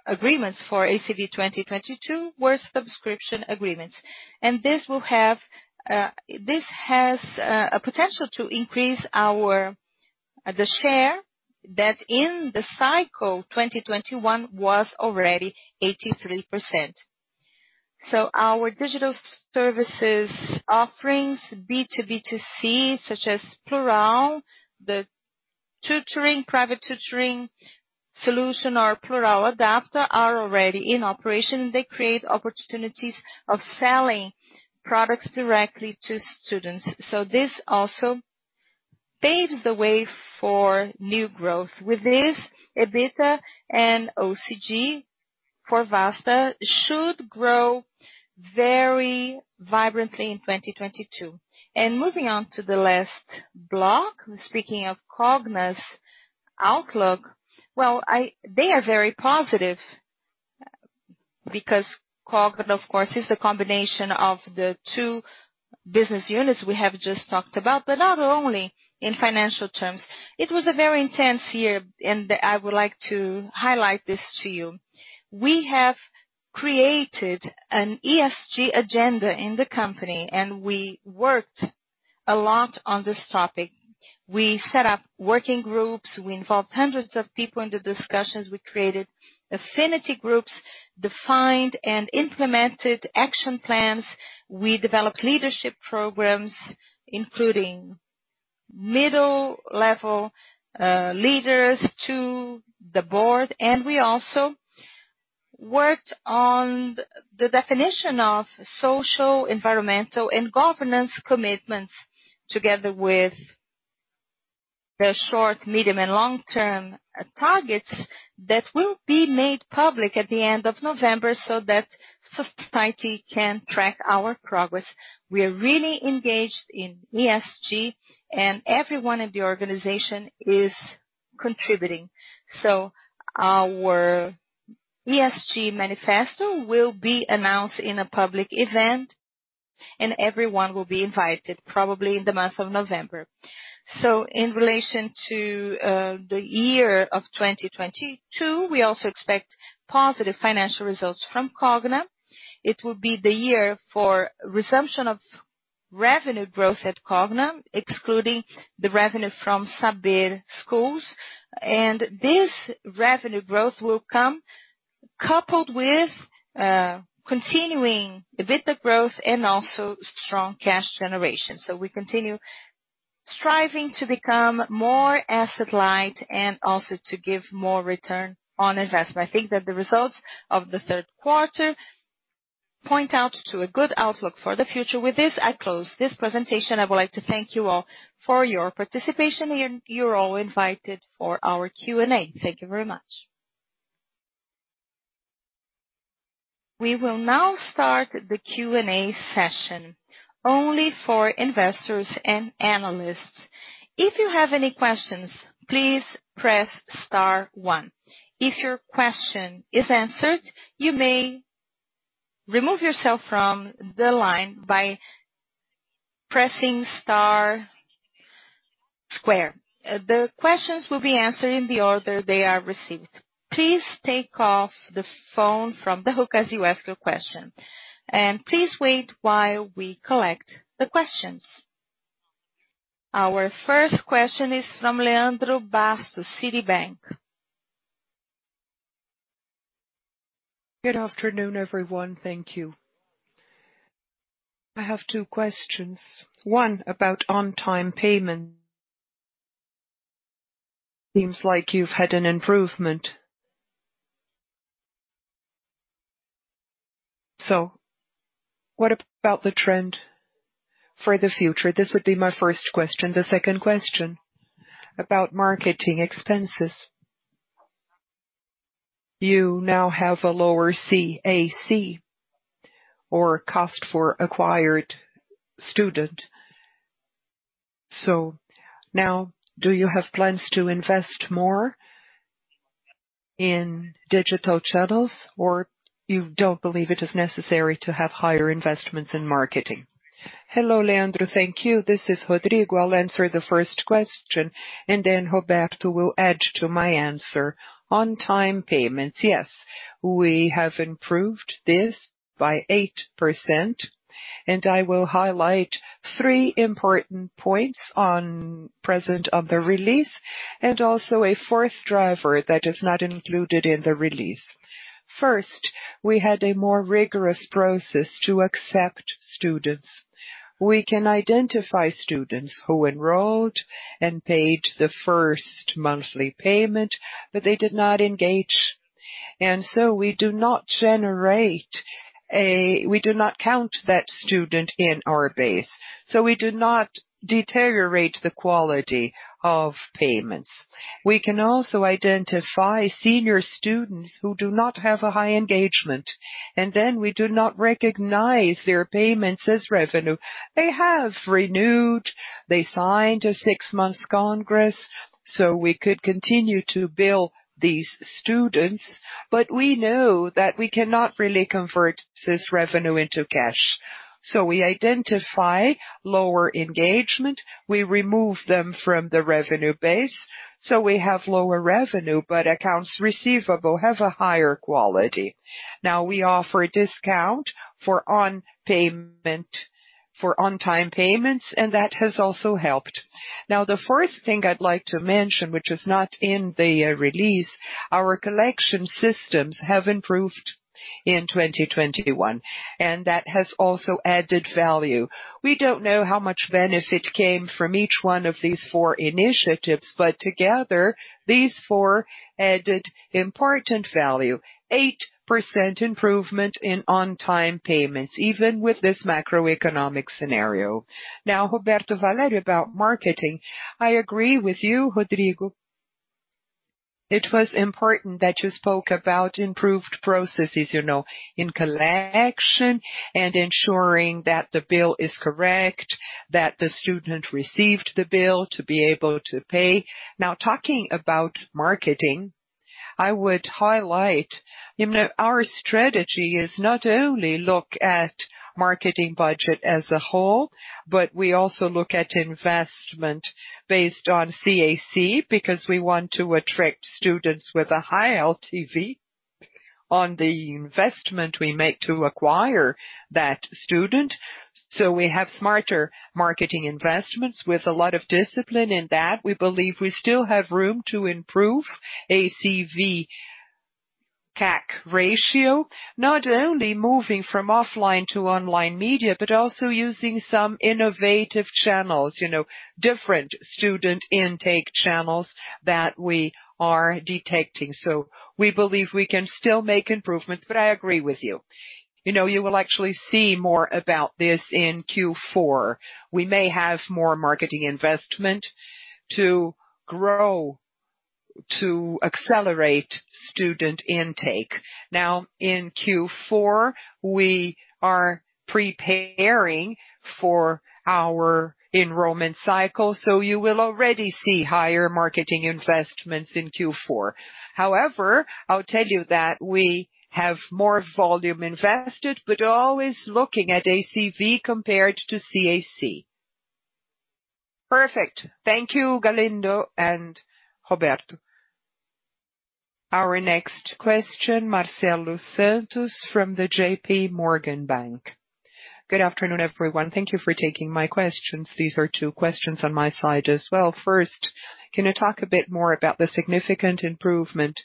agreements for ACV 2022 were subscription agreements. This has a potential to increase the share that in the cycle 2021 was already 83%. Our digital services offerings, B2B2C, such as Plurall, the tutoring, private tutoring solution, or Plurall Adapta, are already in operation. They create opportunities of selling products directly to students. This also paves the way for new growth. With this, EBITDA and OCG for Vasta should grow very vibrantly in 2022. Moving on to the last block, speaking of Cogna's outlook. Well, they are very positive because Cogna, of course, is a combination of the two business units we have just talked about, but not only in financial terms. It was a very intense year, and I would like to highlight this to you. We have created an ESG agenda in the company, and we worked a lot on this topic. We set up working groups. We involved hundreds of people in the discussions. We created affinity groups, defined and implemented action plans. We developed leadership programs, including middle-level leaders to the board. We also worked on the definition of social, environmental, and governance commitments together with the short, medium, and long-term targets that will be made public at the end of November so that society can track our progress. We are really engaged in ESG, and everyone in the organization is contributing. Our ESG manifesto will be announced in a public event, and everyone will be invited, probably in the month of November. In relation to the year of 2022, we also expect positive financial results from Cogna. It will be the year for resumption of revenue growth at Cogna, excluding the revenue from Saber schools. This revenue growth will come coupled with continuing EBITDA growth and also strong cash generation. We continue striving to become more asset-light and also to give more return on investment. I think that the results of the third quarter point out to a good outlook for the future. With this, I close this presentation. I would like to thank you all for your participation, and you're all invited for our Q&A. Thank you very much. We will now start the Q&A session only for investors and analysts. If you have any questions, please press star one. If your question is answered, you may remove yourself from the line by pressing star square. The questions will be answered in the order they are received. Please take the phone off the hook as you ask your question. Please wait while we collect the questions. Our first question is from Leandro Bastos, Citigroup. Good afternoon, everyone. Thank you. I have two questions. One, about on-time payment. Seems like you've had an improvement. What about the trend for the future? This would be my first question. The second question, about marketing expenses. You now have a lower CAC or cost for acquired student. Now, do you have plans to invest more in digital channels, or you don't believe it is necessary to have higher investments in marketing? Hello, Leandro. Thank you. This is Rodrigo. I'll answer the first question, and then Roberto will add to my answer. On-time payments, yes, we have improved this by 8%. And I will highlight three important points on the release and also a fourth driver that is not included in the release. First, we had a more rigorous process to accept students. We can identify students who enrolled and paid the first monthly payment, but they did not engage. We do not count that student in our base. We do not deteriorate the quality of payments. We can also identify senior students who do not have a high engagement, and then we do not recognize their payments as revenue. They have renewed. They signed a six-month contract, so we could continue to bill these students, but we know that we cannot really convert this revenue into cash. We identify lower engagement, we remove them from the revenue base. We have lower revenue, but accounts receivable have a higher quality. Now, we offer a discount for on-time payments, and that has also helped. Now, the first thing I'd like to mention, which is not in the release, our collection systems have improved in 2021, and that has also added value. We don't know how much benefit came from each one of these four initiatives, but together, these four added important value. 8% improvement in on-time payments, even with this macroeconomic scenario. Now, Roberto Valério, about marketing, I agree with you, Rodrigo. It was important that you spoke about improved processes, you know, in collection and ensuring that the bill is correct. That the student received the bill to be able to pay. Now, talking about marketing, I would highlight, you know, our strategy is not only look at marketing budget as a whole, but we also look at investment based on CAC because we want to attract students with a high LTV on the investment we make to acquire that student. We have smarter marketing investments with a lot of discipline in that. We believe we still have room to improve ACV to CAC ratio, not only moving from offline to online media, but also using some innovative channels, you know, different student intake channels that we are detecting. We believe we can still make improvements, but I agree with you. You know, you will actually see more about this in Q4. We may have more marketing investment to grow to accelerate student intake. Now, in Q4, we are preparing for our enrollment cycle, so you will already see higher marketing investments in Q4. However, I'll tell you that we have more volume invested, but always looking at ACV compared to CAC. Perfect. Thank you, Galindo and Roberto. Our next question, Marcelo Santos from JPMorgan. Good afternoon, everyone. Thank you for taking my questions. These are two questions on my side as well. First, can you talk a bit more about the significant improvement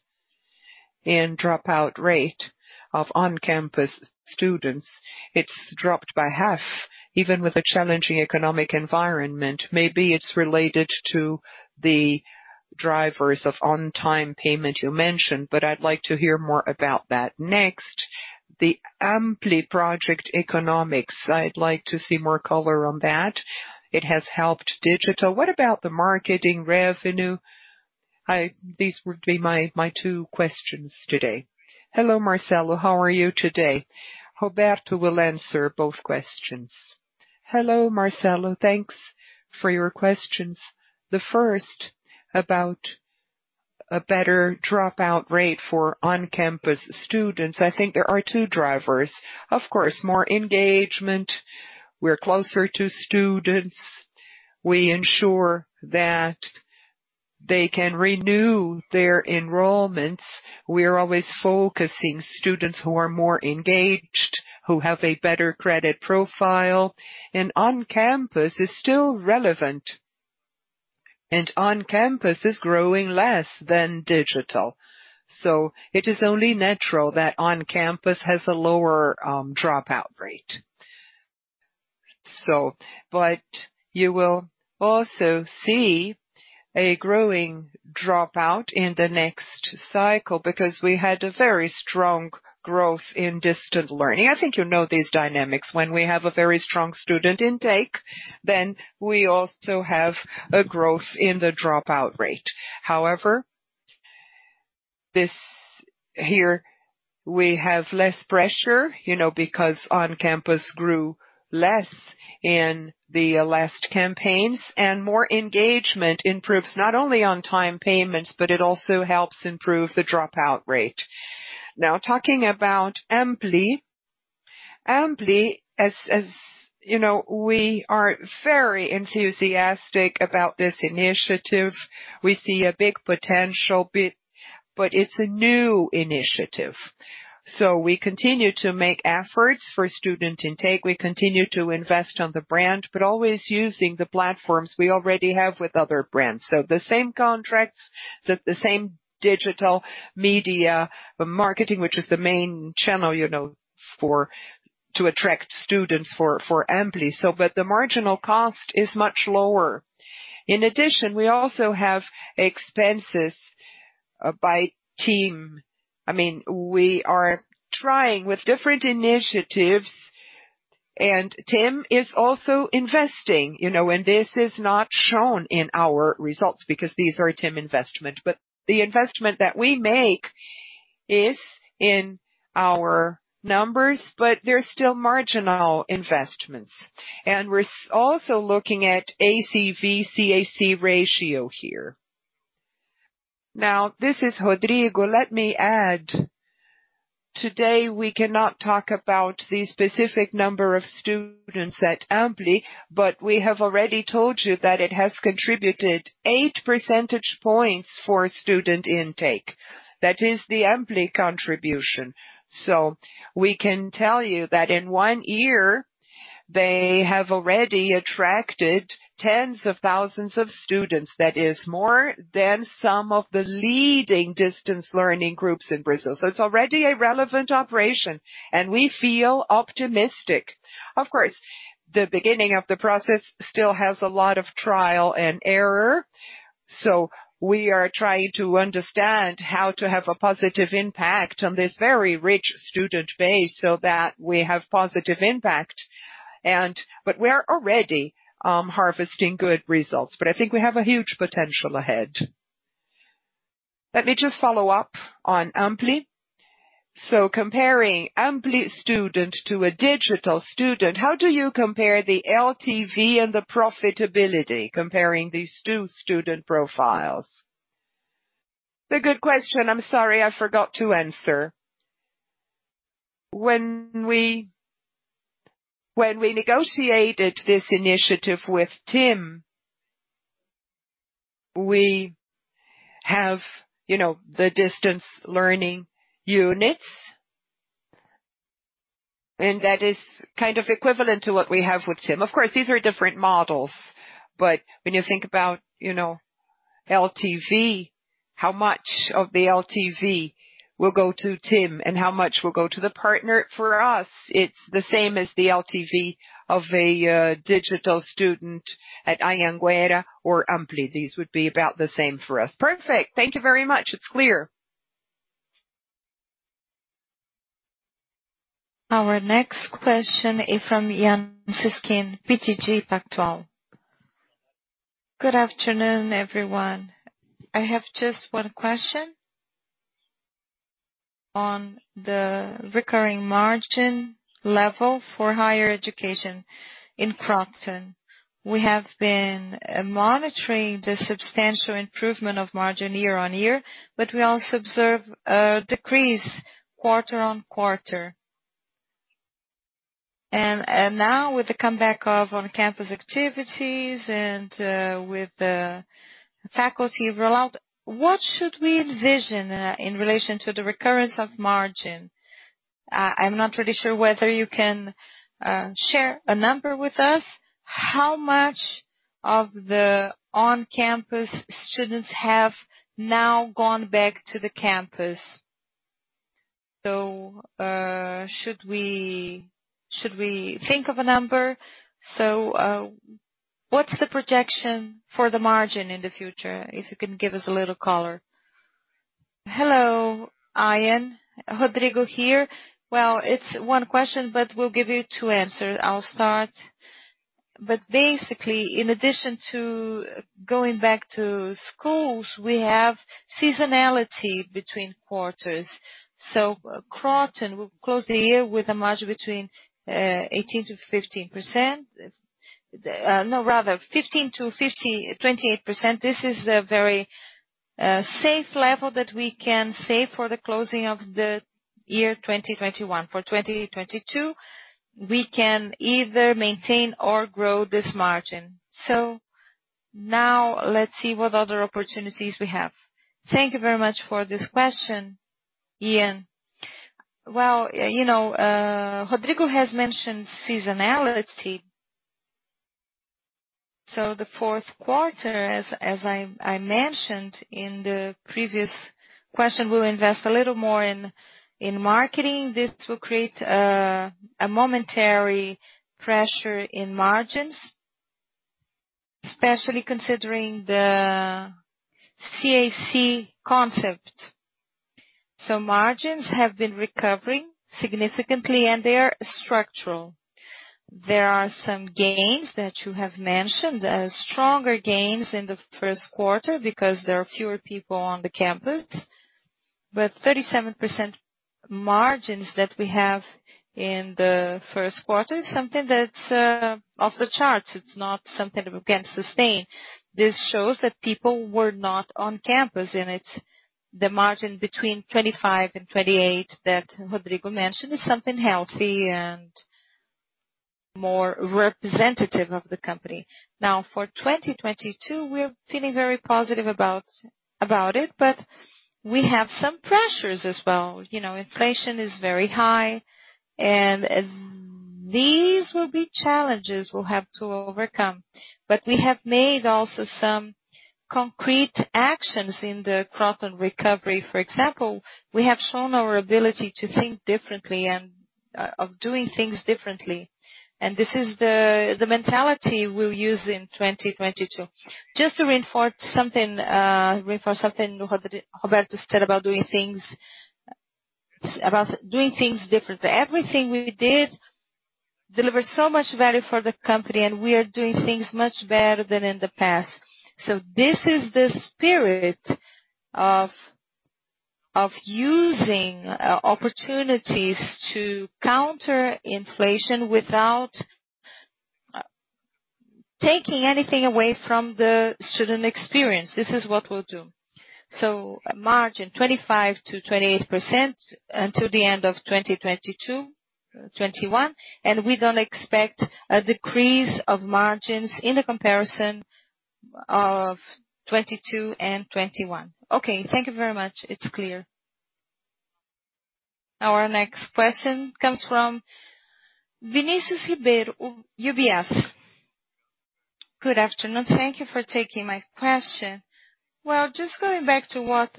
in dropout rate of On-Campus students? It's dropped by half, even with a challenging economic environment. Maybe it's related to the drivers of on-time payment you mentioned, but I'd like to hear more about that. Next, the Ampli project economics. I'd like to see more color on that. It has helped digital. What about the marketing revenue? These would be my two questions today. Hello, Marcelo. How are you today? Roberto Valério will answer both questions. Hello, Marcelo. Thanks for your questions. The first, about a better dropout rate for On-Campus students. I think there are two drivers. Of course, more engagement. We're closer to students. We ensure that they can renew their enrollments. We are always focusing students who are more engaged, who have a better credit profile. On-Campus is still relevant, and On-Campus is growing less than digital. It is only natural that On-Campus has a lower dropout rate. But you will also see a growing dropout in the next cycle because we had a very strong growth in Distance Learning. I think you know these dynamics. When we have a very strong student intake, then we also have a growth in the dropout rate. However, this here, we have less pressure, you know, because On-Campus grew less in the last campaigns, and more engagement improves not only on-time payments, but it also helps improve the dropout rate. Now talking about Ampli. Ampli, as you know, we are very enthusiastic about this initiative. We see a big potential but it's a new initiative. We continue to make efforts for student intake. We continue to invest on the brand, but always using the platforms we already have with other brands. So the same contracts, the same digital media marketing, which is the main channel, you know, to attract students for Ampli. But the marginal cost is much lower. In addition, we also have expenses by team. I mean, we are trying with different initiatives, and TIM is also investing, you know, and this is not shown in our results because these are TIM investment. The investment that we make is in our numbers, but they're still marginal investments. We're also looking at ACV to CAC ratio here. Now this is Rodrigo. Let me add. Today we cannot talk about the specific number of students at Ampli, but we have already told you that it has contributed 8 percentage points for student intake. That is the Ampli contribution. We can tell you that in one year, they have already attracted tens of thousands of students. That is more than some of the leading Distance Learning groups in Brazil. It's already a relevant operation, and we feel optimistic. Of course, the beginning of the process still has a lot of trial and error, so we are trying to understand how to have a positive impact on this very rich student base so that we have positive impact. We're already harvesting good results. I think we have a huge potential ahead. Let me just follow up on Ampli. Comparing Ampli student to a digital student, how do you compare the LTV and the profitability comparing these two student profiles? It's a good question. I'm sorry, I forgot to answer. When we negotiated this initiative with TIM, we have, you know, the Distance Learning units. That is kind of equivalent to what we have with TIM. Of course, these are different models, but when you think about, you know, LTV, how much of the LTV will go to TIM and how much will go to the partner. For us, it's the same as the LTV of a digital student at Anhanguera or Ampli. These would be about the same for us. Perfect. Thank you very much. It's clear. Our next question is from Yan Cesquim, BTG Pactual. Good afternoon, everyone. I have just one question. On the recurring margin level for higher education in Kroton. We have been monitoring the substantial improvement of margin year-on-year, but we also observe a decrease quarter-on-quarter. Now with the comeback of On-Campus activities and with the faculty rollout, what should we envision in relation to the recurrence of margin? I'm not really sure whether you can share a number with us. How much of the On-Campus students have now gone back to the campus? Should we think of a number? What's the projection for the margin in the future? If you can give us a little color. Hello, Yan. Rodrigo here. Well, it's one question, but we'll give you two answers. I'll start. Basically, in addition to going back to schools, we have seasonality between quarters. Kroton will close the year with a margin between 15%-28%. This is a very safe level that we can say for the closing of the year 2021. For 2022, we can either maintain or grow this margin. Now let's see what other opportunities we have. Thank you very much for this question, Yan. Well, you know, Rodrigo has mentioned seasonality. The fourth quarter, as I mentioned in the previous question, we'll invest a little more in marketing. This will create a momentary pressure in margins, especially considering the CAC concept. Margins have been recovering significantly, and they are structural. There are some gains that you have mentioned. Stronger gains in the first quarter because there are fewer people on the campus. 37% margins that we have in the first quarter is something that's off the charts. It's not something that we can sustain. This shows that people were not on campus, and it's the margin between 25%-28% that Rodrigo mentioned is something healthy and more representative of the company. Now for 2022, we're feeling very positive about it, but we have some pressures as well. You know, inflation is very high, and these will be challenges we'll have to overcome. We have made also some concrete actions in the Kroton recovery. For example, we have shown our ability to think differently and of doing things differently. This is the mentality we'll use in 2022. Just to reinforce something Roberto said about doing things differently. Everything we did delivered so much value for the company, and we are doing things much better than in the past. This is the spirit of using opportunities to counter inflation without taking anything away from the student experience. This is what we'll do. Margin 25%-28% until the end of 2022, 2021, and we don't expect a decrease of margins in the comparison of 2022 and 2021. Okay, thank you very much. It's clear. Our next question comes from Vinicius Figueiredo, Itaú BBA. Good afternoon. Thank you for taking my question. Well, just going back to what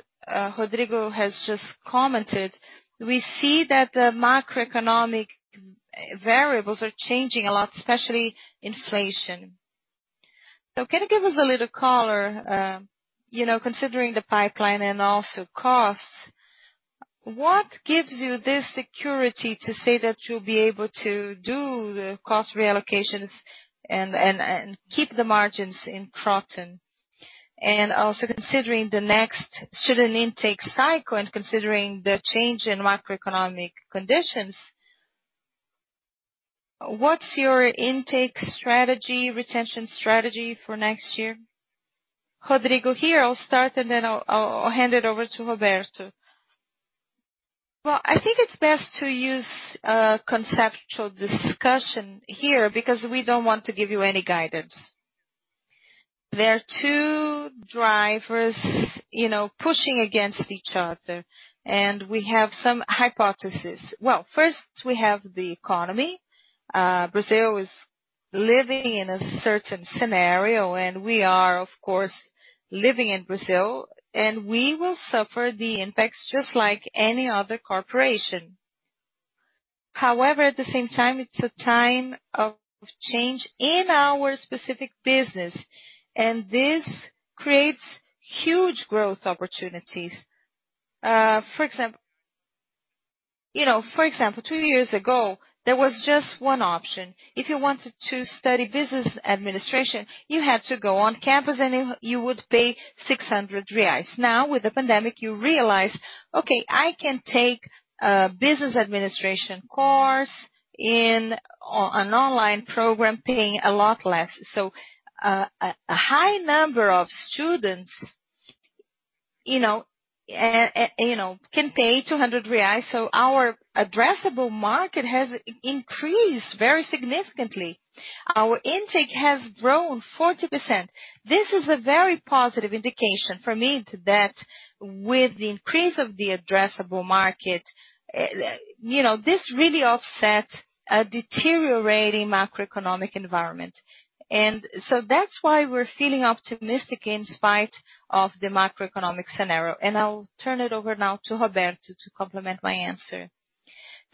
Rodrigo has just commented, we see that the macroeconomic variables are changing a lot, especially inflation. Can you give us a little color, you know, considering the pipeline and also costs, what gives you this security to say that you'll be able to do the cost reallocations and keep the margins in Kroton? And also considering the next student intake cycle and considering the change in macroeconomic conditions, what's your intake strategy, retention strategy for next year? Rodrigo here. I'll start, and then I'll hand it over to Roberto Valério. Well, I think it's best to use a conceptual discussion here because we don't want to give you any guidance. There are two drivers, you know, pushing against each other, and we have some hypothesis. Well, first, we have the economy. Brazil is living in a certain scenario, and we are, of course, living in Brazil, and we will suffer the impacts just like any other corporation. However, at the same time, it's a time of change in our specific business, and this creates huge growth opportunities. You know, for example, two years ago, there was just one option. If you wanted to study business administration, you had to go on campus, and you would pay 600 reais. Now, with the pandemic, you realize, okay, I can take a business administration course in online program paying a lot less. A high number of students, you know, can pay 200 reais, so our addressable market has increased very significantly. Our intake has grown 40%. This is a very positive indication for me that with the increase of the addressable market, this really offsets a deteriorating macroeconomic environment. That's why we're feeling optimistic in spite of the macroeconomic scenario. I'll turn it over now to Roberto to complement my answer.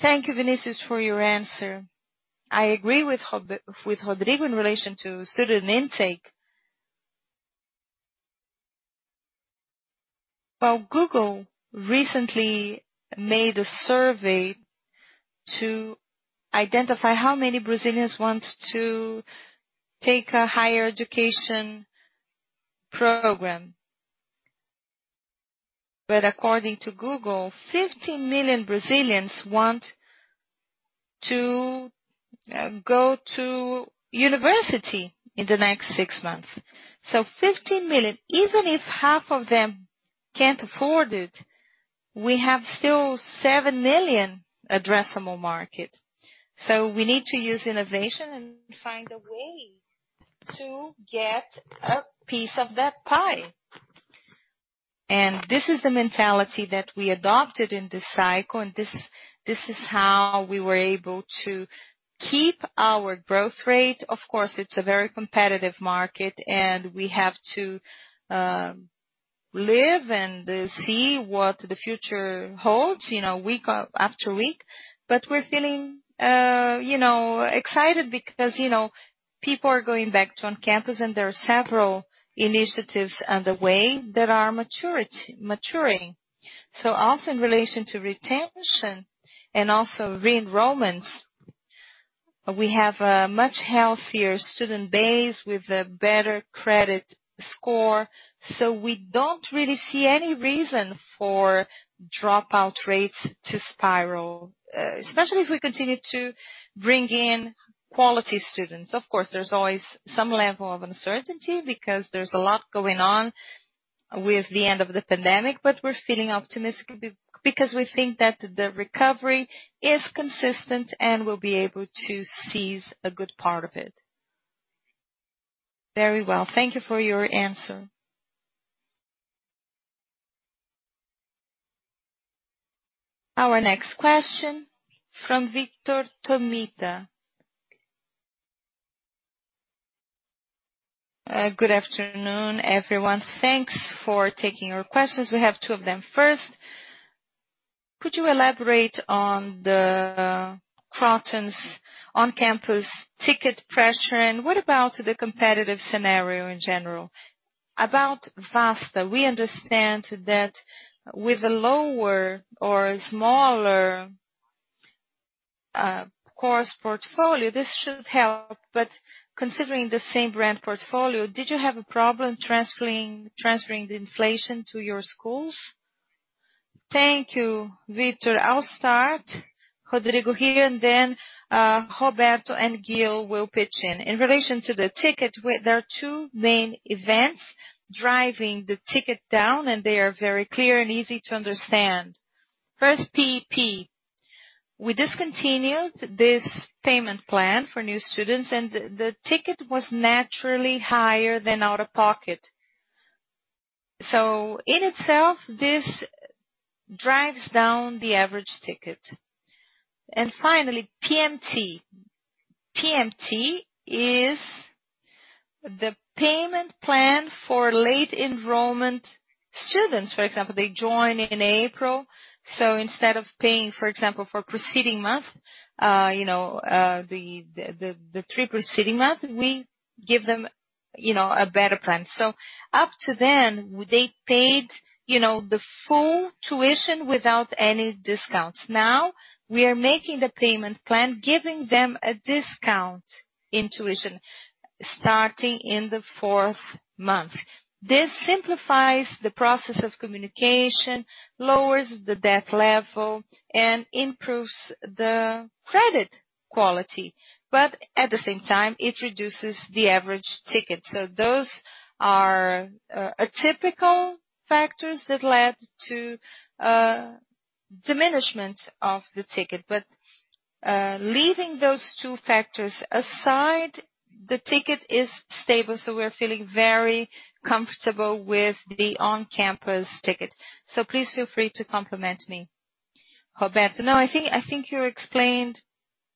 Thank you, Vinicius, for your question. I agree with Rodrigo in relation to student intake. Well, Google recently made a survey to identify how many Brazilians want to take a higher education program. According to Google, 15 million Brazilians want to go to university in the next six months. 15 million, even if half of them can't afford it, we have still seven million addressable market. We need to use innovation and find a way to get a piece of that pie. This is the mentality that we adopted in this cycle, and this is how we were able to keep our growth rate. Of course, it's a very competitive market, and we have to live and see what the future holds, you know, week-after-week. We're feeling, you know, excited because, you know, people are going back to on campus, and there are several initiatives underway that are maturing. Also in relation to retention and also re-enrollments, we have a much healthier student base with a better credit score, so we don't really see any reason for dropout rates to spiral, especially if we continue to bring in quality students. Of course, there's always some level of uncertainty because there's a lot going on with the end of the pandemic, but we're feeling optimistic because we think that the recovery is consistent, and we'll be able to seize a good part of it. Very well. Thank you for your answer. Our next question from Vitor Tomita. Good afternoon, everyone. Thanks for taking our questions. We have two of them. First, could you elaborate on the Kroton's On-Campus ticket pressure, and what about the competitive scenario in general? About Vasta, we understand that with a lower or smaller course portfolio, this should help. Considering the same brand portfolio, did you have a problem transferring transferring the inflation to your schools? Thank you, Vitor. I'll start. Rodrigo here, and then Roberto and Mário Ghio will pitch in. In relation to the ticket, there are two main events driving the ticket down, and they are very clear and easy to understand. First, PEP. We discontinued this payment plan for new students, and the ticket was naturally higher than out-of-pocket. So in itself, this drives down the average ticket. Finally, PMT. PMT is the payment plan for late enrollment students. For example, they join in April. So instead of paying, for example, for preceding month, you know the three preceding month, we give them you know a better plan. So up to then, they paid you know the full tuition without any discounts. Now we are making the payment plan, giving them a discount in tuition starting in the fourth month. This simplifies the process of communication, lowers the debt level, and improves the credit quality. At the same time, it reduces the average ticket. Those are typical factors that led to diminishment of the ticket. Leaving those two factors aside, the ticket is stable, so we're feeling very comfortable with the On-Campus ticket. Please feel free to compliment me. Roberto. No, I think you explained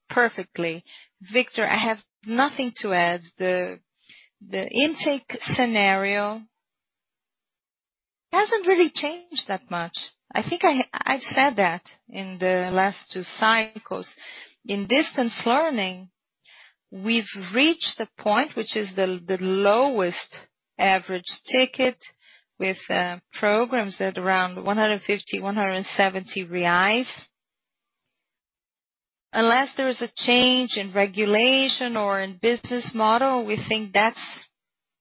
perfectly. Vitor, I have nothing to add. The intake scenario hasn't really changed that much. I think I've said that in the last two cycles. In Distance Learning, we've reached the point which is the lowest average ticket with programs at around 150-170 reais. Unless there is a change in regulation or in business model, we think that's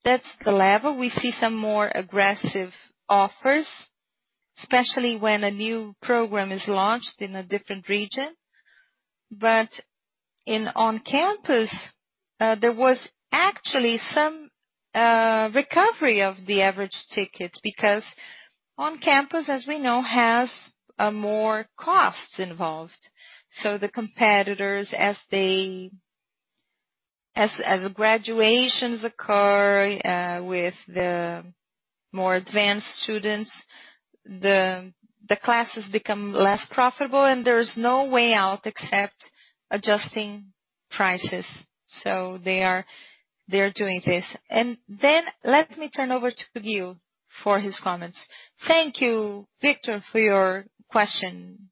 the level. We see some more aggressive offers, especially when a new program is launched in a different region. But in On-Campus, there was actually some recovery of the average ticket because On-Campus, as we know, has more costs involved. So the competitors, as graduations occur with the more advanced students, the classes become less profitable and there's no way out except adjusting prices. So they are doing this. Then let me turn over to Mário Ghio for his comments. Thank you, Vitor, for your question.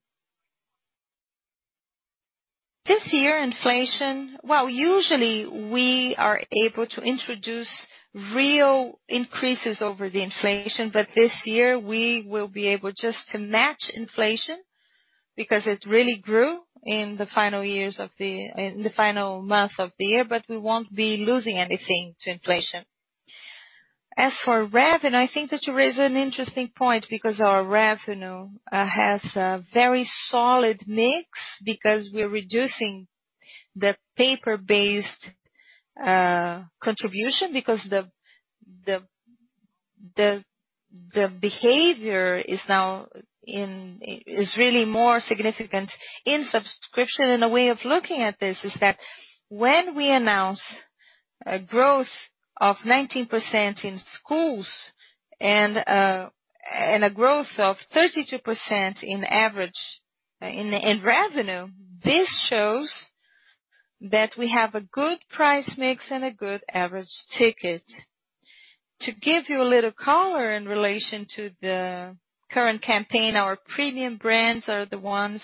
This year, inflation. Well, usually we are able to introduce real increases over the inflation. This year we will be able just to match inflation because it really grew in the final month of the year, but we won't be losing anything to inflation. As for revenue, I think that you raise an interesting point because our revenue has a very solid mix because we're reducing the paper-based contribution because the behavior is now really more significant in subscription. A way of looking at this is that when we announce a growth of 19% in schools and a growth of 32% in average in revenue, this shows that we have a good price mix and a good average ticket. To give you a little color in relation to the current campaign, our premium brands are the ones.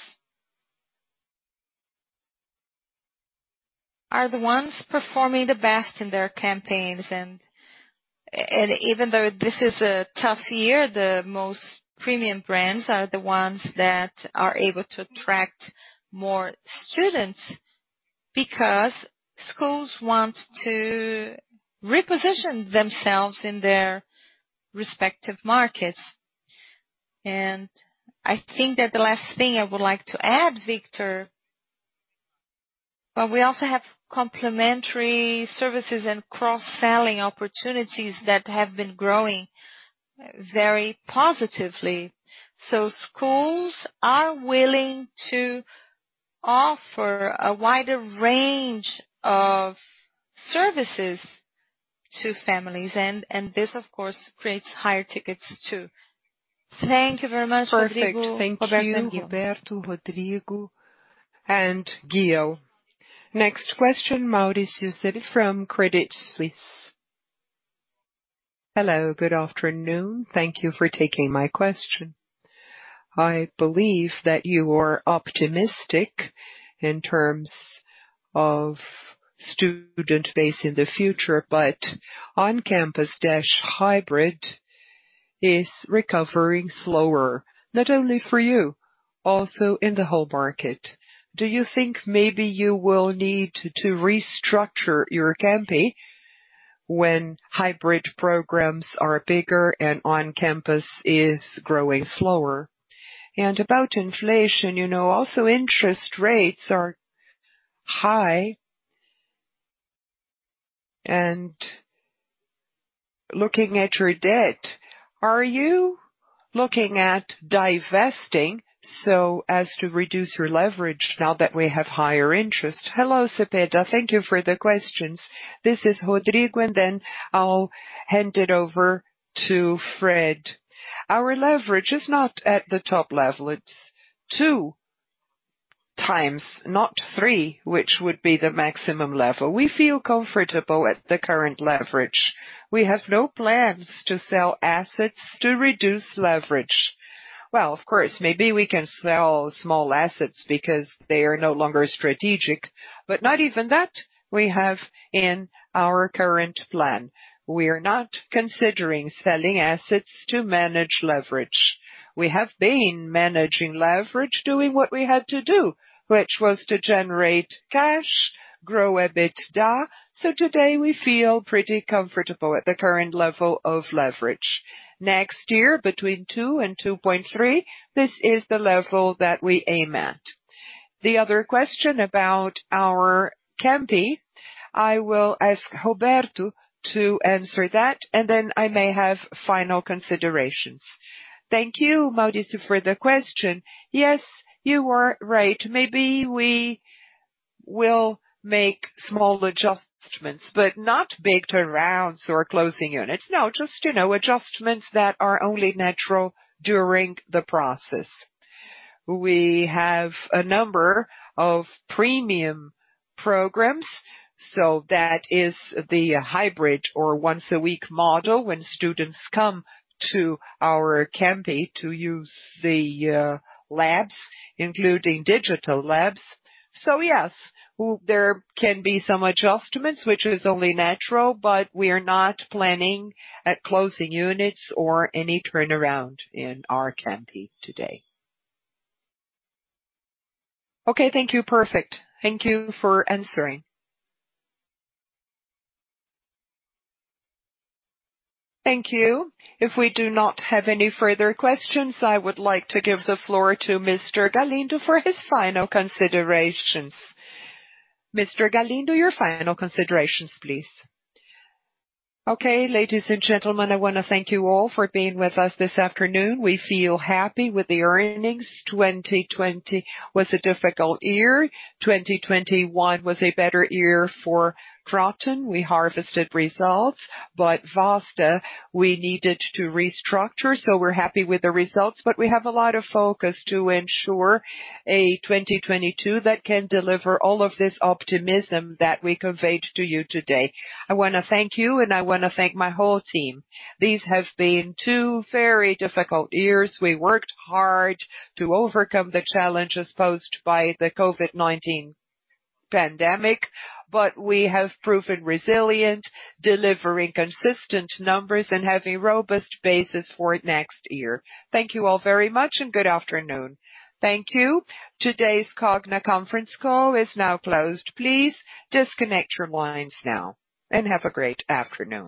Are the ones performing the best in their campaigns. Even though this is a tough year, the most premium brands are the ones that are able to attract more students because schools want to reposition themselves in their respective markets. I think that the last thing I would like to add, Vitor, but we also have complementary services and cross-selling opportunities that have been growing very positively. Schools are willing to offer a wider range of services to families and this of course creates higher tickets too. Thank you very much, Rodrigo. Perfect. Thank you. Roberto, Rodrigo, and Mário Ghio. Next question, Mauricio Cepeda from Credit Suisse. Hello, good afternoon. Thank you for taking my question. I believe that you are optimistic in terms of student base in the future, but On-Campus/hybrid is recovering slower, not only for you, also in the whole market. Do you think maybe you will need to restructure your campaign when hybrid programs are bigger and On-Campus is growing slower? About inflation, you know, also interest rates are high. Looking at your debt, are you looking at divesting so as to reduce your leverage now that we have higher interest? Hello, Cepeda. Thank you for the questions. This is Rodrigo, and then I'll hand it over to Fred. Our leverage is not at the top level. It's 2x, not 3x, which would be the maximum level. We feel comfortable at the current leverage. We have no plans to sell assets to reduce leverage. Well, of course, maybe we can sell small assets because they are no longer strategic. Not even that we have in our current plan. We are not considering selling assets to manage leverage. We have been managing leverage, doing what we had to do, which was to generate cash, grow EBITDA. Today, we feel pretty comfortable at the current level of leverage. Next year between 2x and 2.3x, this is the level that we aim at. The other question about our campuses, I will ask Roberto to answer that, and then I may have final considerations. Thank you, Mauricio, for the question. Yes, you are right. Maybe we will make small adjustments, but not big turnarounds or closing units. No, just, you know, adjustments that are only natural during the process. We have a number of premium programs, so that is the hybrid or once-a-week model when students come to our campi to use the labs, including digital labs. Yes, there can be some adjustments, which is only natural, but we are not planning on closing units or any turnaround in our campi today. Okay, thank you. Perfect. Thank you for answering. Thank you. If we do not have any further questions, I would like to give the floor to Mr. Galindo for his final considerations. Mr. Galindo, your final considerations, please. Okay, ladies and gentlemen, I wanna thank you all for being with us this afternoon. We feel happy with the earnings. 2020 was a difficult year. 2021 was a better year for Kroton. We harvested results. Vasta we needed to restructure, so we're happy with the results. We have a lot of focus to ensure a 2022 that can deliver all of this optimism that we conveyed to you today. I wanna thank you, and I wanna thank my whole team. These have been two very difficult years. We worked hard to overcome the challenges posed by the COVID-19 pandemic, but we have proven resilient, delivering consistent numbers and have a robust basis for next year. Thank you all very much, and good afternoon. Thank you. Today's Cogna conference call is now closed. Please disconnect your lines now, and have a great afternoon.